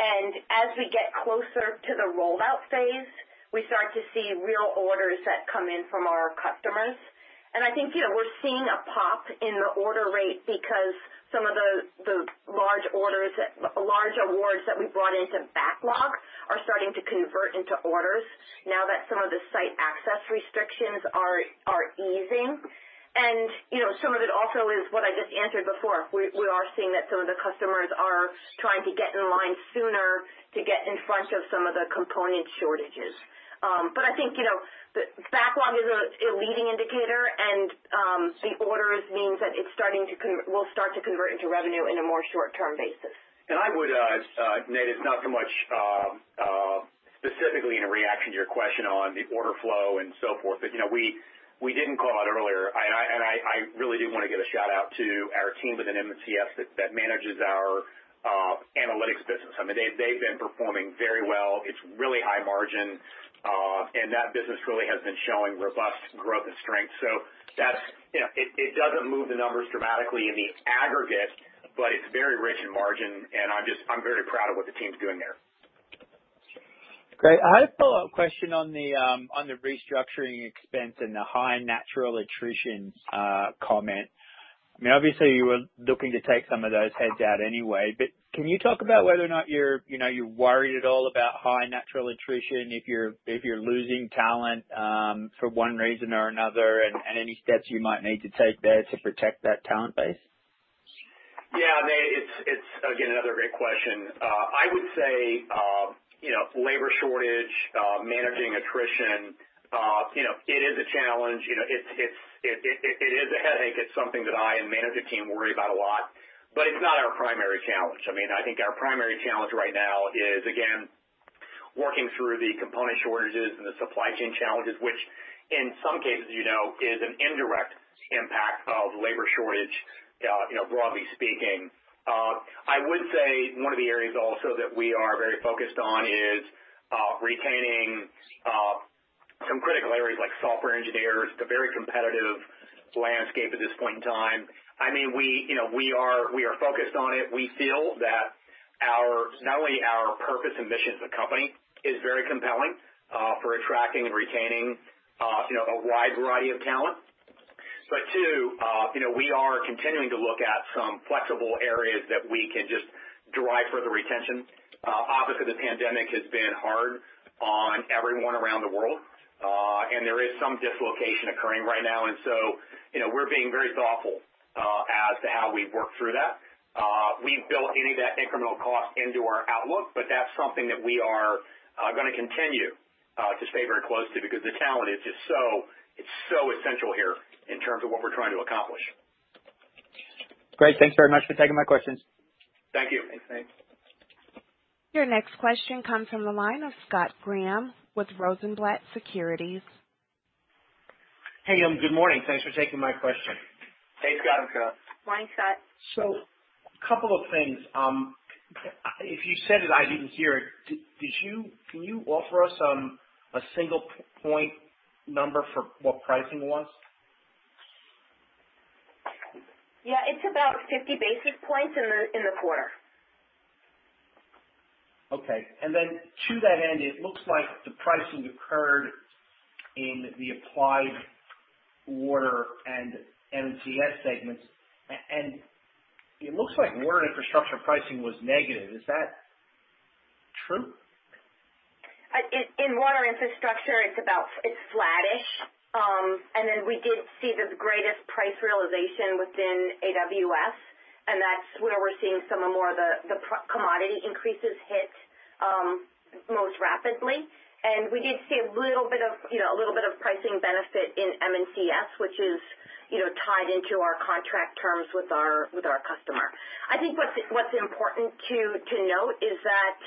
As we get closer to the rollout phase, we start to see real orders that come in from our customers. I think we're seeing a pop in the order rate because some of the large awards that we brought into backlog are starting to convert into orders now that some of the site access restrictions are easing. Some of it also is what I just answered before. We are seeing that some of the customers are trying to get in line sooner to get in front of some of the component shortages. I think, the backlog is a leading indicator, and the orders means that it will start to convert into revenue in a more short-term basis. I would, Nate, it's not so much specifically in reaction to your question on the order flow and so forth, but we didn't call out earlier, and I really do want to give a shout-out to our team within M&CS that manages our analytics business. They've been performing very well. It's really high margin. That business really has been showing robust growth and strength. It doesn't move the numbers dramatically in the aggregate, but it's very rich in margin, and I'm very proud of what the team's doing there. Great. I have a follow-up question on the restructuring expense and the high natural attrition comment. Obviously you were looking to take some of those heads out anyway. Can you talk about whether or not you're worried at all about high natural attrition, if you're losing talent for one reason or another, and any steps you might need to take there to protect that talent base? Yeah, Nate, it's again, another great question. I would say labor shortage, managing attrition it is a challenge. It is a headache. It's something that I and management team worry about a lot, but it's not our primary challenge. I think our primary challenge right now is, again, working through the component shortages and the supply chain challenges, which in some cases, is an indirect impact of labor shortage broadly speaking. I would say one of the areas also that we are very focused on is retaining some critical areas like software engineers. It's a very competitive landscape at this point in time. We are focused on it. We feel that not only our purpose and mission as a company is very compelling for attracting and retaining a wide variety of talent. Two, we are continuing to look at some flexible areas that we can just drive further retention. Obviously, the pandemic has been hard on everyone around the world. There is some dislocation occurring right now. We're being very thoughtful as to how we work through that. We've built any of that incremental cost into our outlook, but that's something that we are going to continue to stay very close to because the talent is just so essential here in terms of what we're trying to accomplish. Great. Thanks very much for taking my questions. Thank you. Thanks. Your next question comes from the line of Scott Graham with Rosenblatt Securities. Hey, Xylem. Good morning. Thanks for taking my question. Hey, Scott. Line's set. A couple of things. If you said it, I didn't hear it. Can you offer us a single point number for what pricing was? Yeah, it's about 50 basis points in the quarter. Okay. Then to that end, it looks like the pricing occurred in the Applied Water and M&CS segments. It looks like Water Infrastructure pricing was negative. Is that true? In Water Infrastructure, it's flattish. We did see the greatest price realization within AWS, and that's where we're seeing some of more of the commodity increases hit most rapidly. We did see a little bit of pricing benefit in M&CS, which is tied into our contract terms with our customer. I think what's important to note is that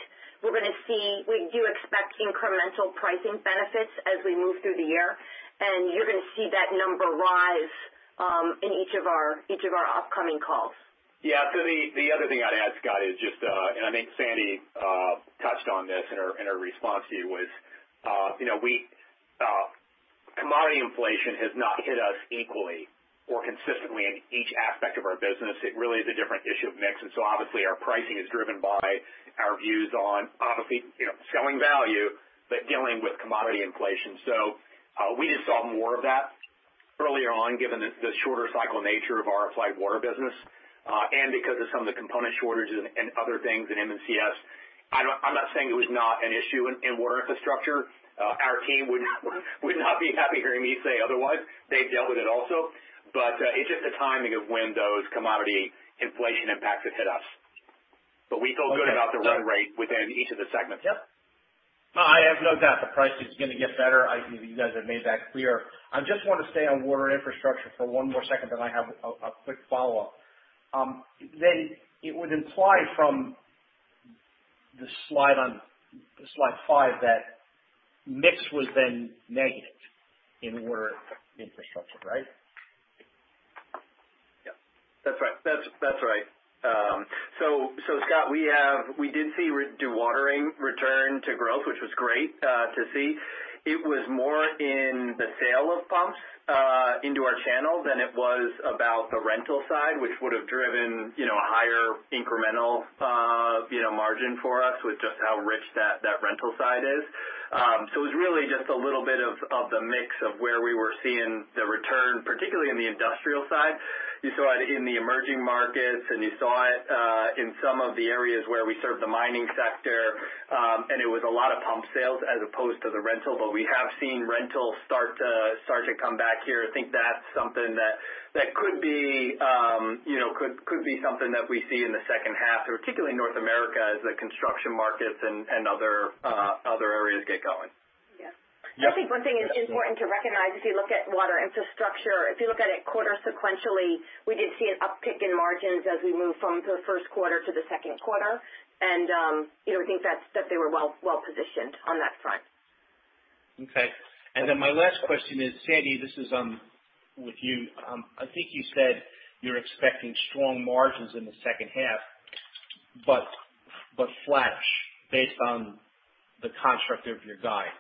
we do expect incremental pricing benefits as we move through the year, and you're going to see that number rise in each of our upcoming calls. Yeah. The other thing I'd add, Scott, is just, and I think Sandy touched on this in her response to you was, commodity inflation has not hit us equally or consistently in each aspect of our business. It really is a different issue of mix. Obviously our pricing is driven by our views on obviously selling value, but dealing with commodity inflation. We just saw more of that earlier on, given the shorter cycle nature of our Applied Water business. Because of some of the component shortages and other things in M&CS. I'm not saying it was not an issue in Water Infrastructure. Our team would not be happy hearing me say otherwise. They've dealt with it also. It's just the timing of when those commodity inflation impacts have hit us. We feel good about the run rate within each of the segments. Yep. I have no doubt the price is going to get better. You guys have made that clear. I just want to stay on Water Infrastructure for one more second, then I have a quick follow-up. It would imply from the slide on Slide five that mix was then negative in Water Infrastructure, right? Yeah. That's right. Scott, we did see dewatering return to growth, which was great to see. It was more in the sale of pumps into our channel than it was about the rental side, which would have driven a higher incremental margin for us with just how rich that rental side is. It was really just a little bit of the mix of where we were seeing the return, particularly in the industrial side. You saw it in the emerging markets, and you saw it in some of the areas where we serve the mining sector. It was a lot of pump sales as opposed to the rental. We have seen rental start to come back here. I think that's something that could be something that we see in the second half, particularly North America, as the construction markets and other areas get going. Yeah. Yeah. I think one thing that's important to recognize, if you look at Water Infrastructure, if you look at it quarter sequentially, we did see an uptick in margins as we moved from the first quarter to the second quarter. We think that they were well positioned on that front. Okay. My last question is, Sandy, this is with you. I think you said you're expecting strong margins in the second half, but flat based on the construct of your guide.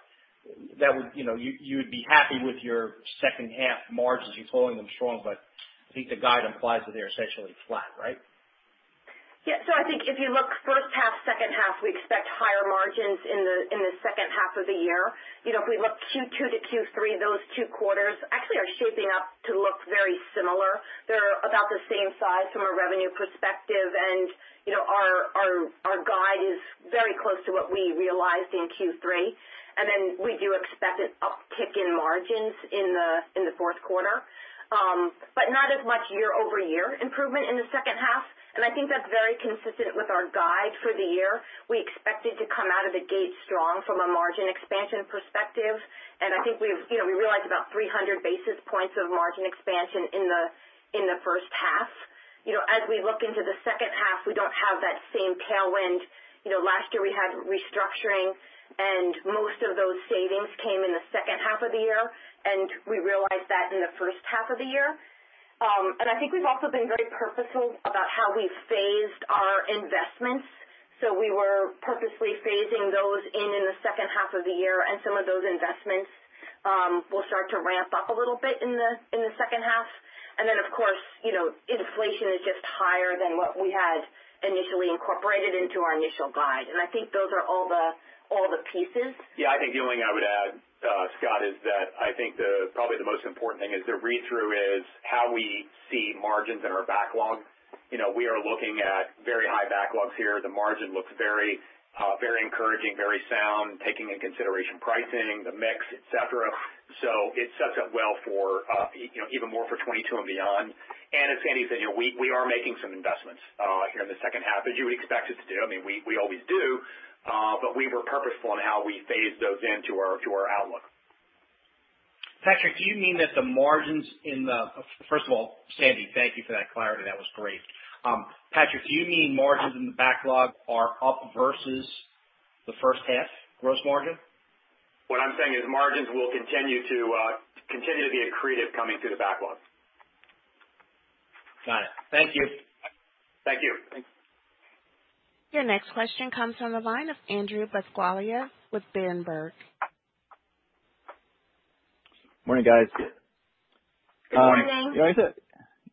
You'd be happy with your second half margins. You're calling them strong, but I think the guide implies that they're essentially flat, right? I think if you look first half, second half, we expect higher margins in the second half of the year. If we look Q2 to Q3, those two quarters actually are shaping up to look very similar. They're about the same size from a revenue perspective, and our guide is very close to what we realized in Q3. We do expect an uptick in margins in the fourth quarter. Not as much year-over-year improvement in the second half. I think that's very consistent with our guide for the year. We expected to come out of the gate strong from a margin expansion perspective, and I think we realized about 300 basis points of margin expansion in the first half. As we look into the second half, we don't have that same tailwind. Last year we had restructuring, most of those savings came in the second half of the year, we realized that in the first half of the year. I think we've also been very purposeful about how we've phased our investments. We were purposely phasing those in in the second half of the year, some of those investments will start to ramp up a little bit in the second half. Of course, inflation is just higher than what we had initially incorporated into our initial guide. I think those are all the pieces. Yeah, I think the only thing I would add, Scott, is that I think probably the most important thing is the read-through is how we see margins in our backlog. We are looking at very high backlogs here. The margin looks very encouraging, very sound, taking into consideration pricing, the mix, et cetera. It sets up well even more for 2022 and beyond. As Sandy said, we are making some investments here in the second half, as you would expect us to do. We always do. We were purposeful in how we phased those into our outlook. First of all, Sandy, thank you for that clarity. That was great. Patrick, do you mean margins in the backlog are up versus the first half gross margin? What I'm saying is margins will continue to be accretive coming through the backlog. Got it. Thank you. Thank you. Your next question comes from the line of Andrew DeGasperi with Berenberg. Morning, guys. Good morning. Good morning.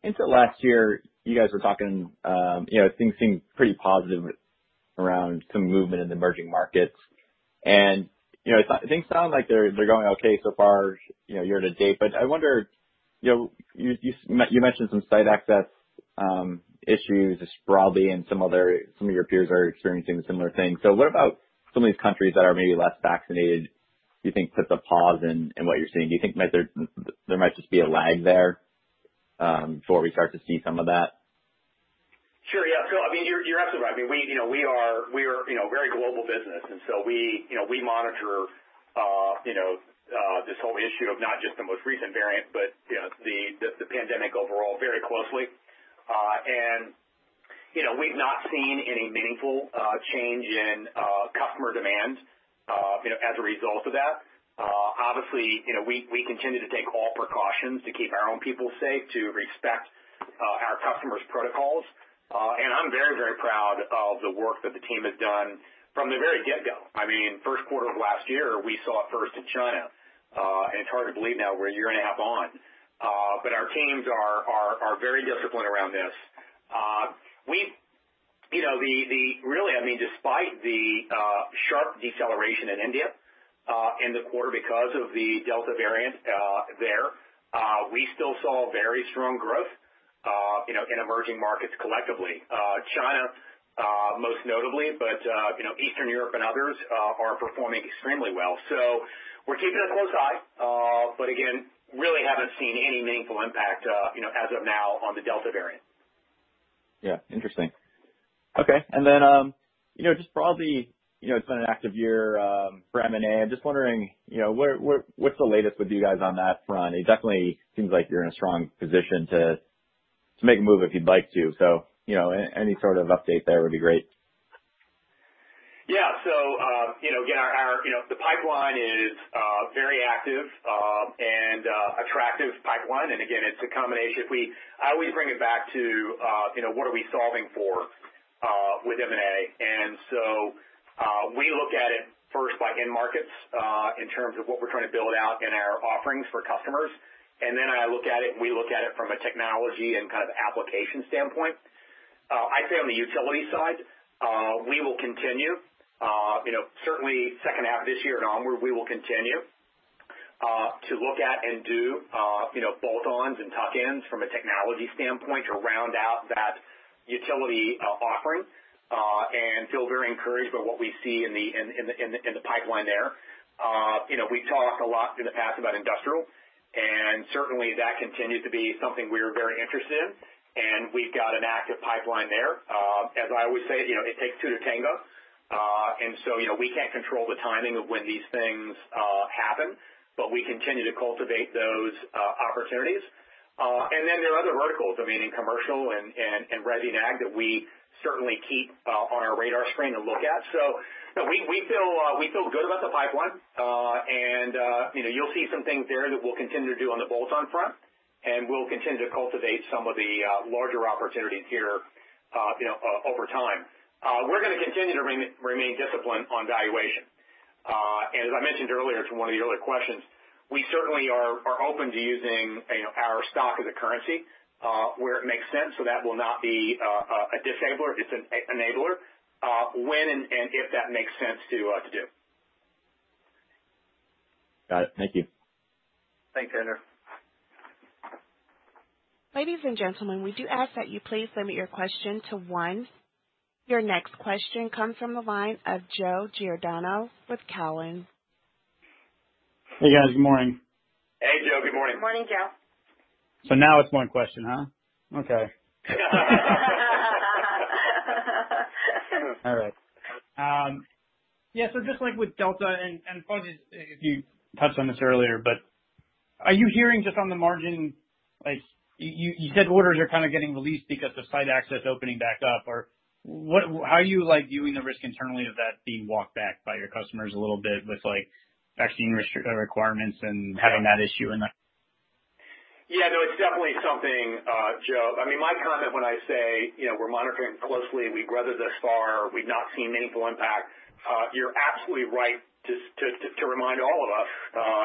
Into last year, you guys were talking, things seemed pretty positive around some movement in the emerging markets. Things sound like they're going okay so far year-to-date. I wonder, you mentioned some site access issues broadly and some of your peers are experiencing similar things. What about some of these countries that are maybe less vaccinated, do you think puts a pause in what you're seeing? Do you think there might just be a lag there before we start to see some of that? Sure. Andrew, you're absolutely right. We are a very global business. We monitor this whole issue of not just the most recent variant, but the pandemic overall very closely. We've not seen any meaningful change in customer demand as a result of that. Obviously, we continue to take all precautions to keep our own people safe, to respect our customers' protocols. I'm very proud of the work that the team has done from the very get-go. First quarter of last year, we saw it first in China. It's hard to believe now we're a year and a half on. Our teams are very disciplined around this. Really, despite the sharp deceleration in India in the quarter because of the Delta variant there, we still saw very strong growth in emerging markets collectively. China, most notably. Eastern Europe and others are performing extremely well. We're keeping a close eye, but again, really haven't seen any meaningful impact, as of now on the Delta variant. Yeah. Interesting. Okay. Just broadly, it's been an active year for M&A. I'm just wondering, what's the latest with you guys on that front? It definitely seems like you're in a strong position to make a move if you'd like to. Any sort of update there would be great. Yeah. Again, the pipeline is very active, and attractive pipeline, and again, it's a combination. I always bring it back to what are we solving for with M&A. We look at it first by end markets, in terms of what we're trying to build out in our offerings for customers. Then I look at it, and we look at it from a technology and kind of application standpoint. I'd say on the utility side, we will continue. Certainly second half of this year and onward, we will continue to look at and do bolt-ons and tuck-ins from a technology standpoint to round out that utility offering, and feel very encouraged by what we see in the pipeline there. We talked a lot in the past about industrial, and certainly that continues to be something we're very interested in, and we've got an active pipeline there. As I always say, it takes two to tango. We can't control the timing of when these things happen, but we continue to cultivate those opportunities. There are other verticals, I mean, in commercial and resi and ag that we certainly keep on our radar screen to look at. We feel good about the pipeline. You'll see some things there that we'll continue to do on the bolt-on front, and we'll continue to cultivate some of the larger opportunities here over time. We're gonna continue to remain disciplined on valuation. As I mentioned earlier to one of the earlier questions, we certainly are open to using our stock as a currency, where it makes sense. That will not be a disabler. It's an enabler, when and if that makes sense to do. Got it. Thank you. Thanks, Andrew. Ladies and gentlemen, we do ask that you please limit your question to 1. Your next question comes from the line of Joe Giordano with Cowen. Hey, guys. Good morning. Hey, Joe. Good morning. Morning, Joe. Now it's one question, huh? Okay. All right. Yeah. Just like with Delta, and Franz, you touched on this earlier, are you hearing just on the margin, you said orders are kind of getting released because of site access opening back up, or how are you viewing the risk internally of that being walked back by your customers a little bit with vaccine requirements and having that issue. Yeah. No, it's definitely something, Joe. My comment when I say we're monitoring it closely, we've weathered thus far, we've not seen meaningful impact. You're absolutely right to remind all of us,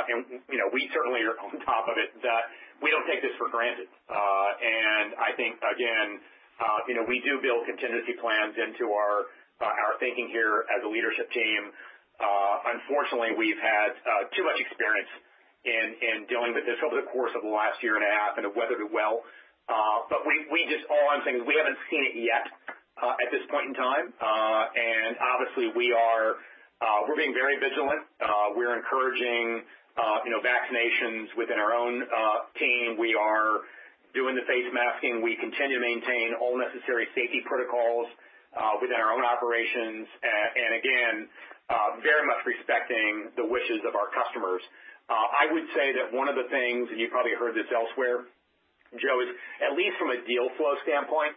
and we certainly are on top of it, that we don't take this for granted. I think, again, we do build contingency plans into our thinking here as a leadership team. Unfortunately, we've had too much experience in dealing with this over the course of the last year and a half and have weathered it well. We just, all I'm saying is we haven't seen it yet, at this point in time. Obviously, we're being very vigilant. We're encouraging vaccinations within our own team. We are doing the face masking. We continue to maintain all necessary safety protocols within our own operations. Again, very much respecting the wishes of our customers. I would say that one of the things, and you probably heard this elsewhere, Joe, is at least from a deal flow standpoint,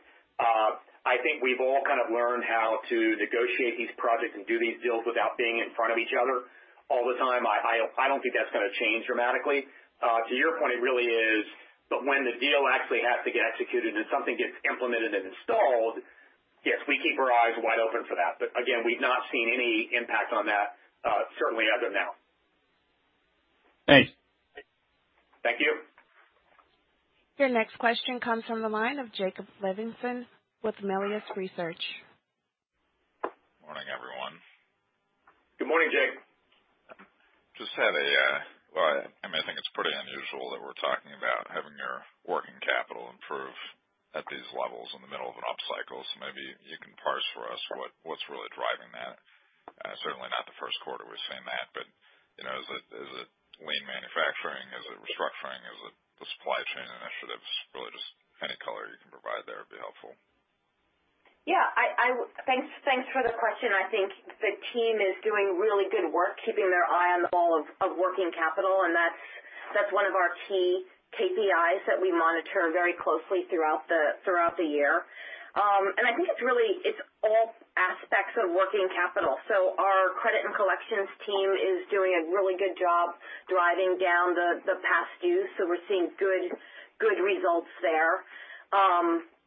I think we've all kind of learned how to negotiate these projects and do these deals without being in front of each other all the time. I don't think that's gonna change dramatically. To your point, it really is, but when the deal actually has to get executed and something gets implemented and installed, yes, we keep our eyes wide open for that. Again, we've not seen any impact on that, certainly as of now. Thanks. Thank you. Your next question comes from the line of Jake Levinson with Melius Research. Morning, everyone. Good morning, Jake. Well, I think it's pretty unusual that we're talking about having your working capital improve at these levels in the middle of an upcycle. Maybe you can parse for us what's really driving that. Certainly not the first quarter we've seen that, but is it lean manufacturing? Is it restructuring? Is it the supply chain initiatives? Really just any color you can provide there would be helpful. Yeah. Thanks for the question. I think the team is doing really good work keeping their eye on the ball of working capital. That's one of our key KPIs that we monitor very closely throughout the year. I think it's all aspects of working capital. Our credit and collections team is doing a really good job driving down the past due, so we're seeing good results there.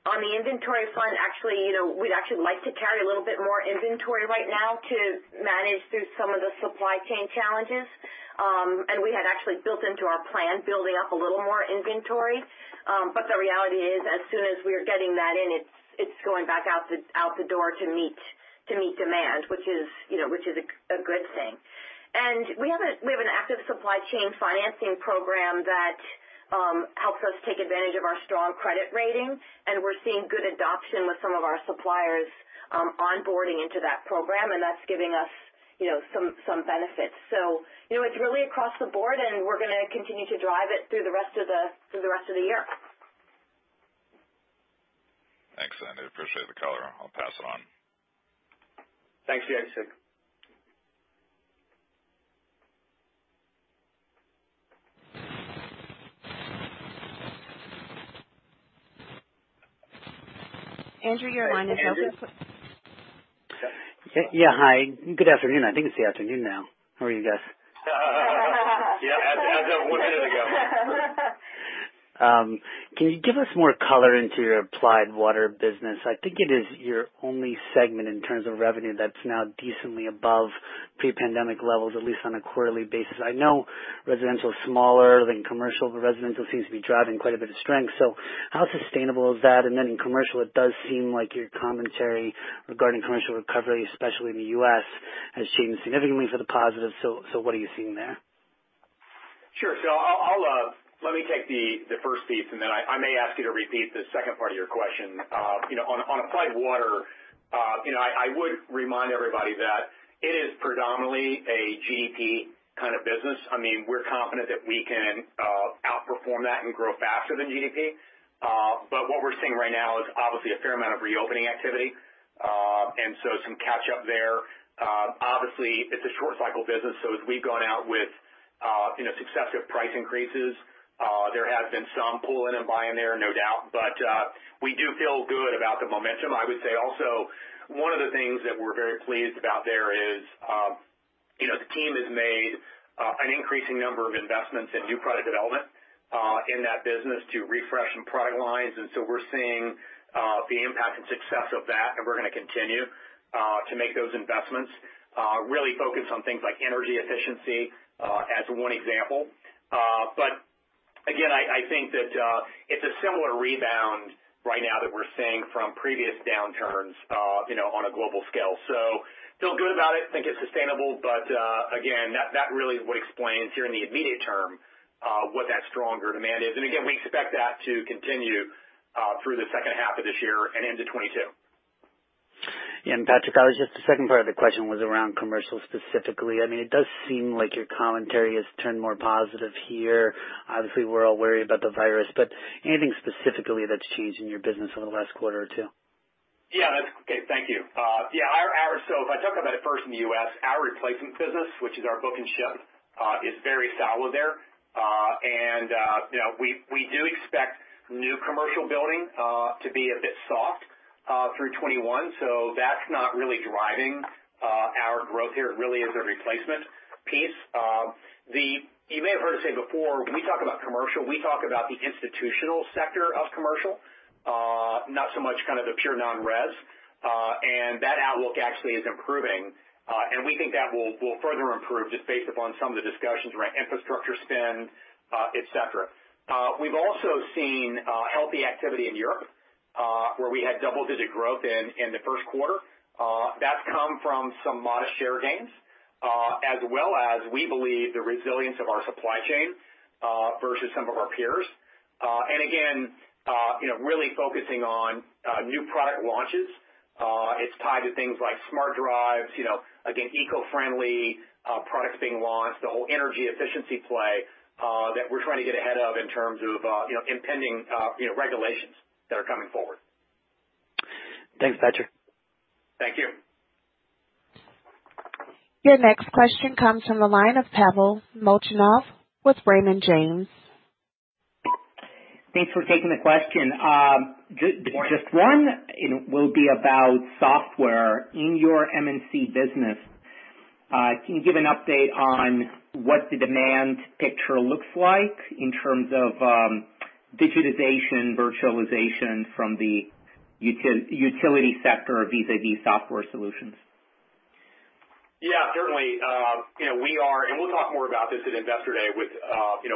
On the inventory front, we'd actually like to carry a little bit more inventory right now to manage through some of the supply chain challenges. We had actually built into our plan, building up a little more inventory. The reality is, as soon as we're getting that in, it's going back out the door to meet demand. Which is a good thing. We have an active supply chain financing program that helps us take advantage of our strong credit rating, and we're seeing good adoption with some of our suppliers onboarding into that program, and that's giving us some benefits. It's really across the board, and we're going to continue to drive it through the rest of the year. Thanks, Sandy. Appreciate the color. I'll pass it on. Thanks. Yeah. You too. Andrew, your line is open. Yeah. Hi. Good afternoon. I think it's the afternoon now. How are you guys? Yeah. As of 1 minute ago. Can you give us more color into your Applied Water business? I think it is your only segment in terms of revenue that's now decently above pre-pandemic levels, at least on a quarterly basis. I know residential is smaller than commercial, residential seems to be driving quite a bit of strength, how sustainable is that? In commercial, it does seem like your commentary regarding commercial recovery, especially in the U.S., has seemed significantly for the positive, what are you seeing there? Sure. Let me take the first piece, and then I may ask you to repeat the second part of your question. On Applied Water, I would remind everybody that it is predominantly a GDP kind of business. We're confident that we can outperform that and grow faster than GDP. What we're seeing right now is obviously a fair amount of reopening activity. Some catch-up there. Obviously, it's a short cycle business, so as we've gone out with successive price increases, there has been some pulling and buying there, no doubt. We do feel good about the momentum. I would say also, one of the things that we're very pleased about there is the team has made an increasing number of investments in new product development in that business to refresh some product lines. We're seeing the impact and success of that, and we're going to continue to make those investments. Really focus on things like energy efficiency as one example. Again, I think that it's a similar rebound right now that we're seeing from previous downturns on a global scale. Feel good about it, think it's sustainable. Again, that really is what explains here in the immediate term what that stronger demand is. Again, we expect that to continue through the second half of this year and into 2022. Patrick, the second part of the question was around commercial specifically. It does seem like your commentary has turned more positive here. Obviously, we're all wary about the virus, but anything specifically that's changed in your business over the last quarter or two? That's okay. Thank you. If I talk about it first in the U.S., our replacement business, which is our book and ship, is very solid there. We do expect new commercial building to be a bit soft through 2021, that's not really driving our growth here. It really is a replacement piece. You may have heard us say before, when we talk about commercial, we talk about the institutional sector of commercial. Not so much the pure non-res. That outlook actually is improving. We think that will further improve just based upon some of the discussions around infrastructure spend, et cetera. We've also seen healthy activity in Europe, where we had double-digit growth in the first quarter. That's come from some modest share gains, as well as we believe the resilience of our supply chain versus some of our peers. Really focusing on new product launches. It's tied to things like smart drives, again, eco-friendly products being launched, the whole energy efficiency play that we're trying to get ahead of in terms of impending regulations that are coming forward. Thanks, Patrick. Thank you. Your next question comes from the line of Pavel Molchanov with Raymond James. Thanks for taking the question. Good morning. Just one will be about software in your M&C business. Can you give an update on what the demand picture looks like in terms of digitization, virtualization from the utility sector vis-à-vis software solutions? Yeah, certainly. We'll talk more about this at Investor Day with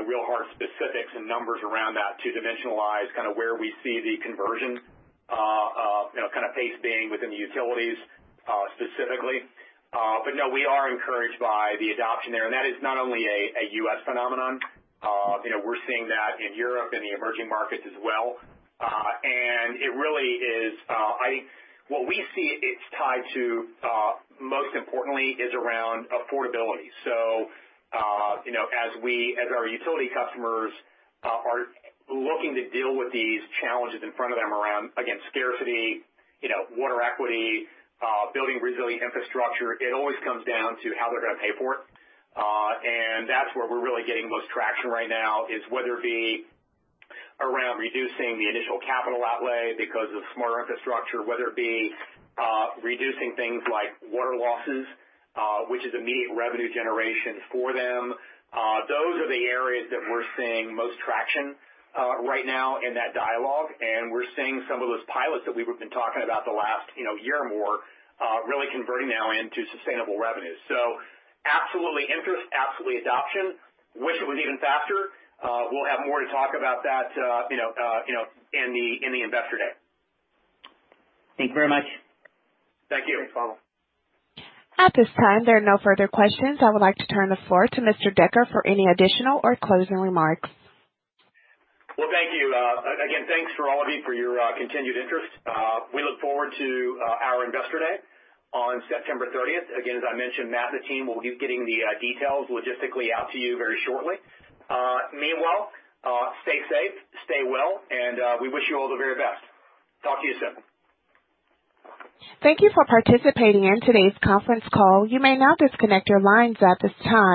real hard specifics and numbers around that to dimensionalize where we see the conversion pace being within the utilities specifically. No, we are encouraged by the adoption there. That is not only a U.S. phenomenon. We're seeing that in Europe and the emerging markets as well. What we see it's tied to most importantly is around affordability. As our utility customers are looking to deal with these challenges in front of them around, again, scarcity, water equity, building resilient infrastructure, it always comes down to how they're going to pay for it. That's where we're really getting the most traction right now is whether it be around reducing the initial capital outlay because of smarter infrastructure, whether it be reducing things like water losses which is immediate revenue generation for them. Those are the areas that we're seeing most traction right now in that dialogue, and we're seeing some of those pilots that we've been talking about the last year or more really converting now into sustainable revenues. Absolutely interest, absolutely adoption. Wish it was even faster. We'll have more to talk about that in the Investor Day. Thank you very much. Thank you. Thanks, Pavel. At this time, there are no further questions. I would like to turn the floor to Mr. Decker for any additional or closing remarks. Well, thank you. Thanks for all of you for your continued interest. We look forward to our Investor Day on September 30th. As I mentioned, Matt and the team will be getting the details logistically out to you very shortly. Meanwhile, stay safe, stay well, and we wish you all the very best. Talk to you soon. Thank you for participating in today's conference call. You may now disconnect your lines at this time.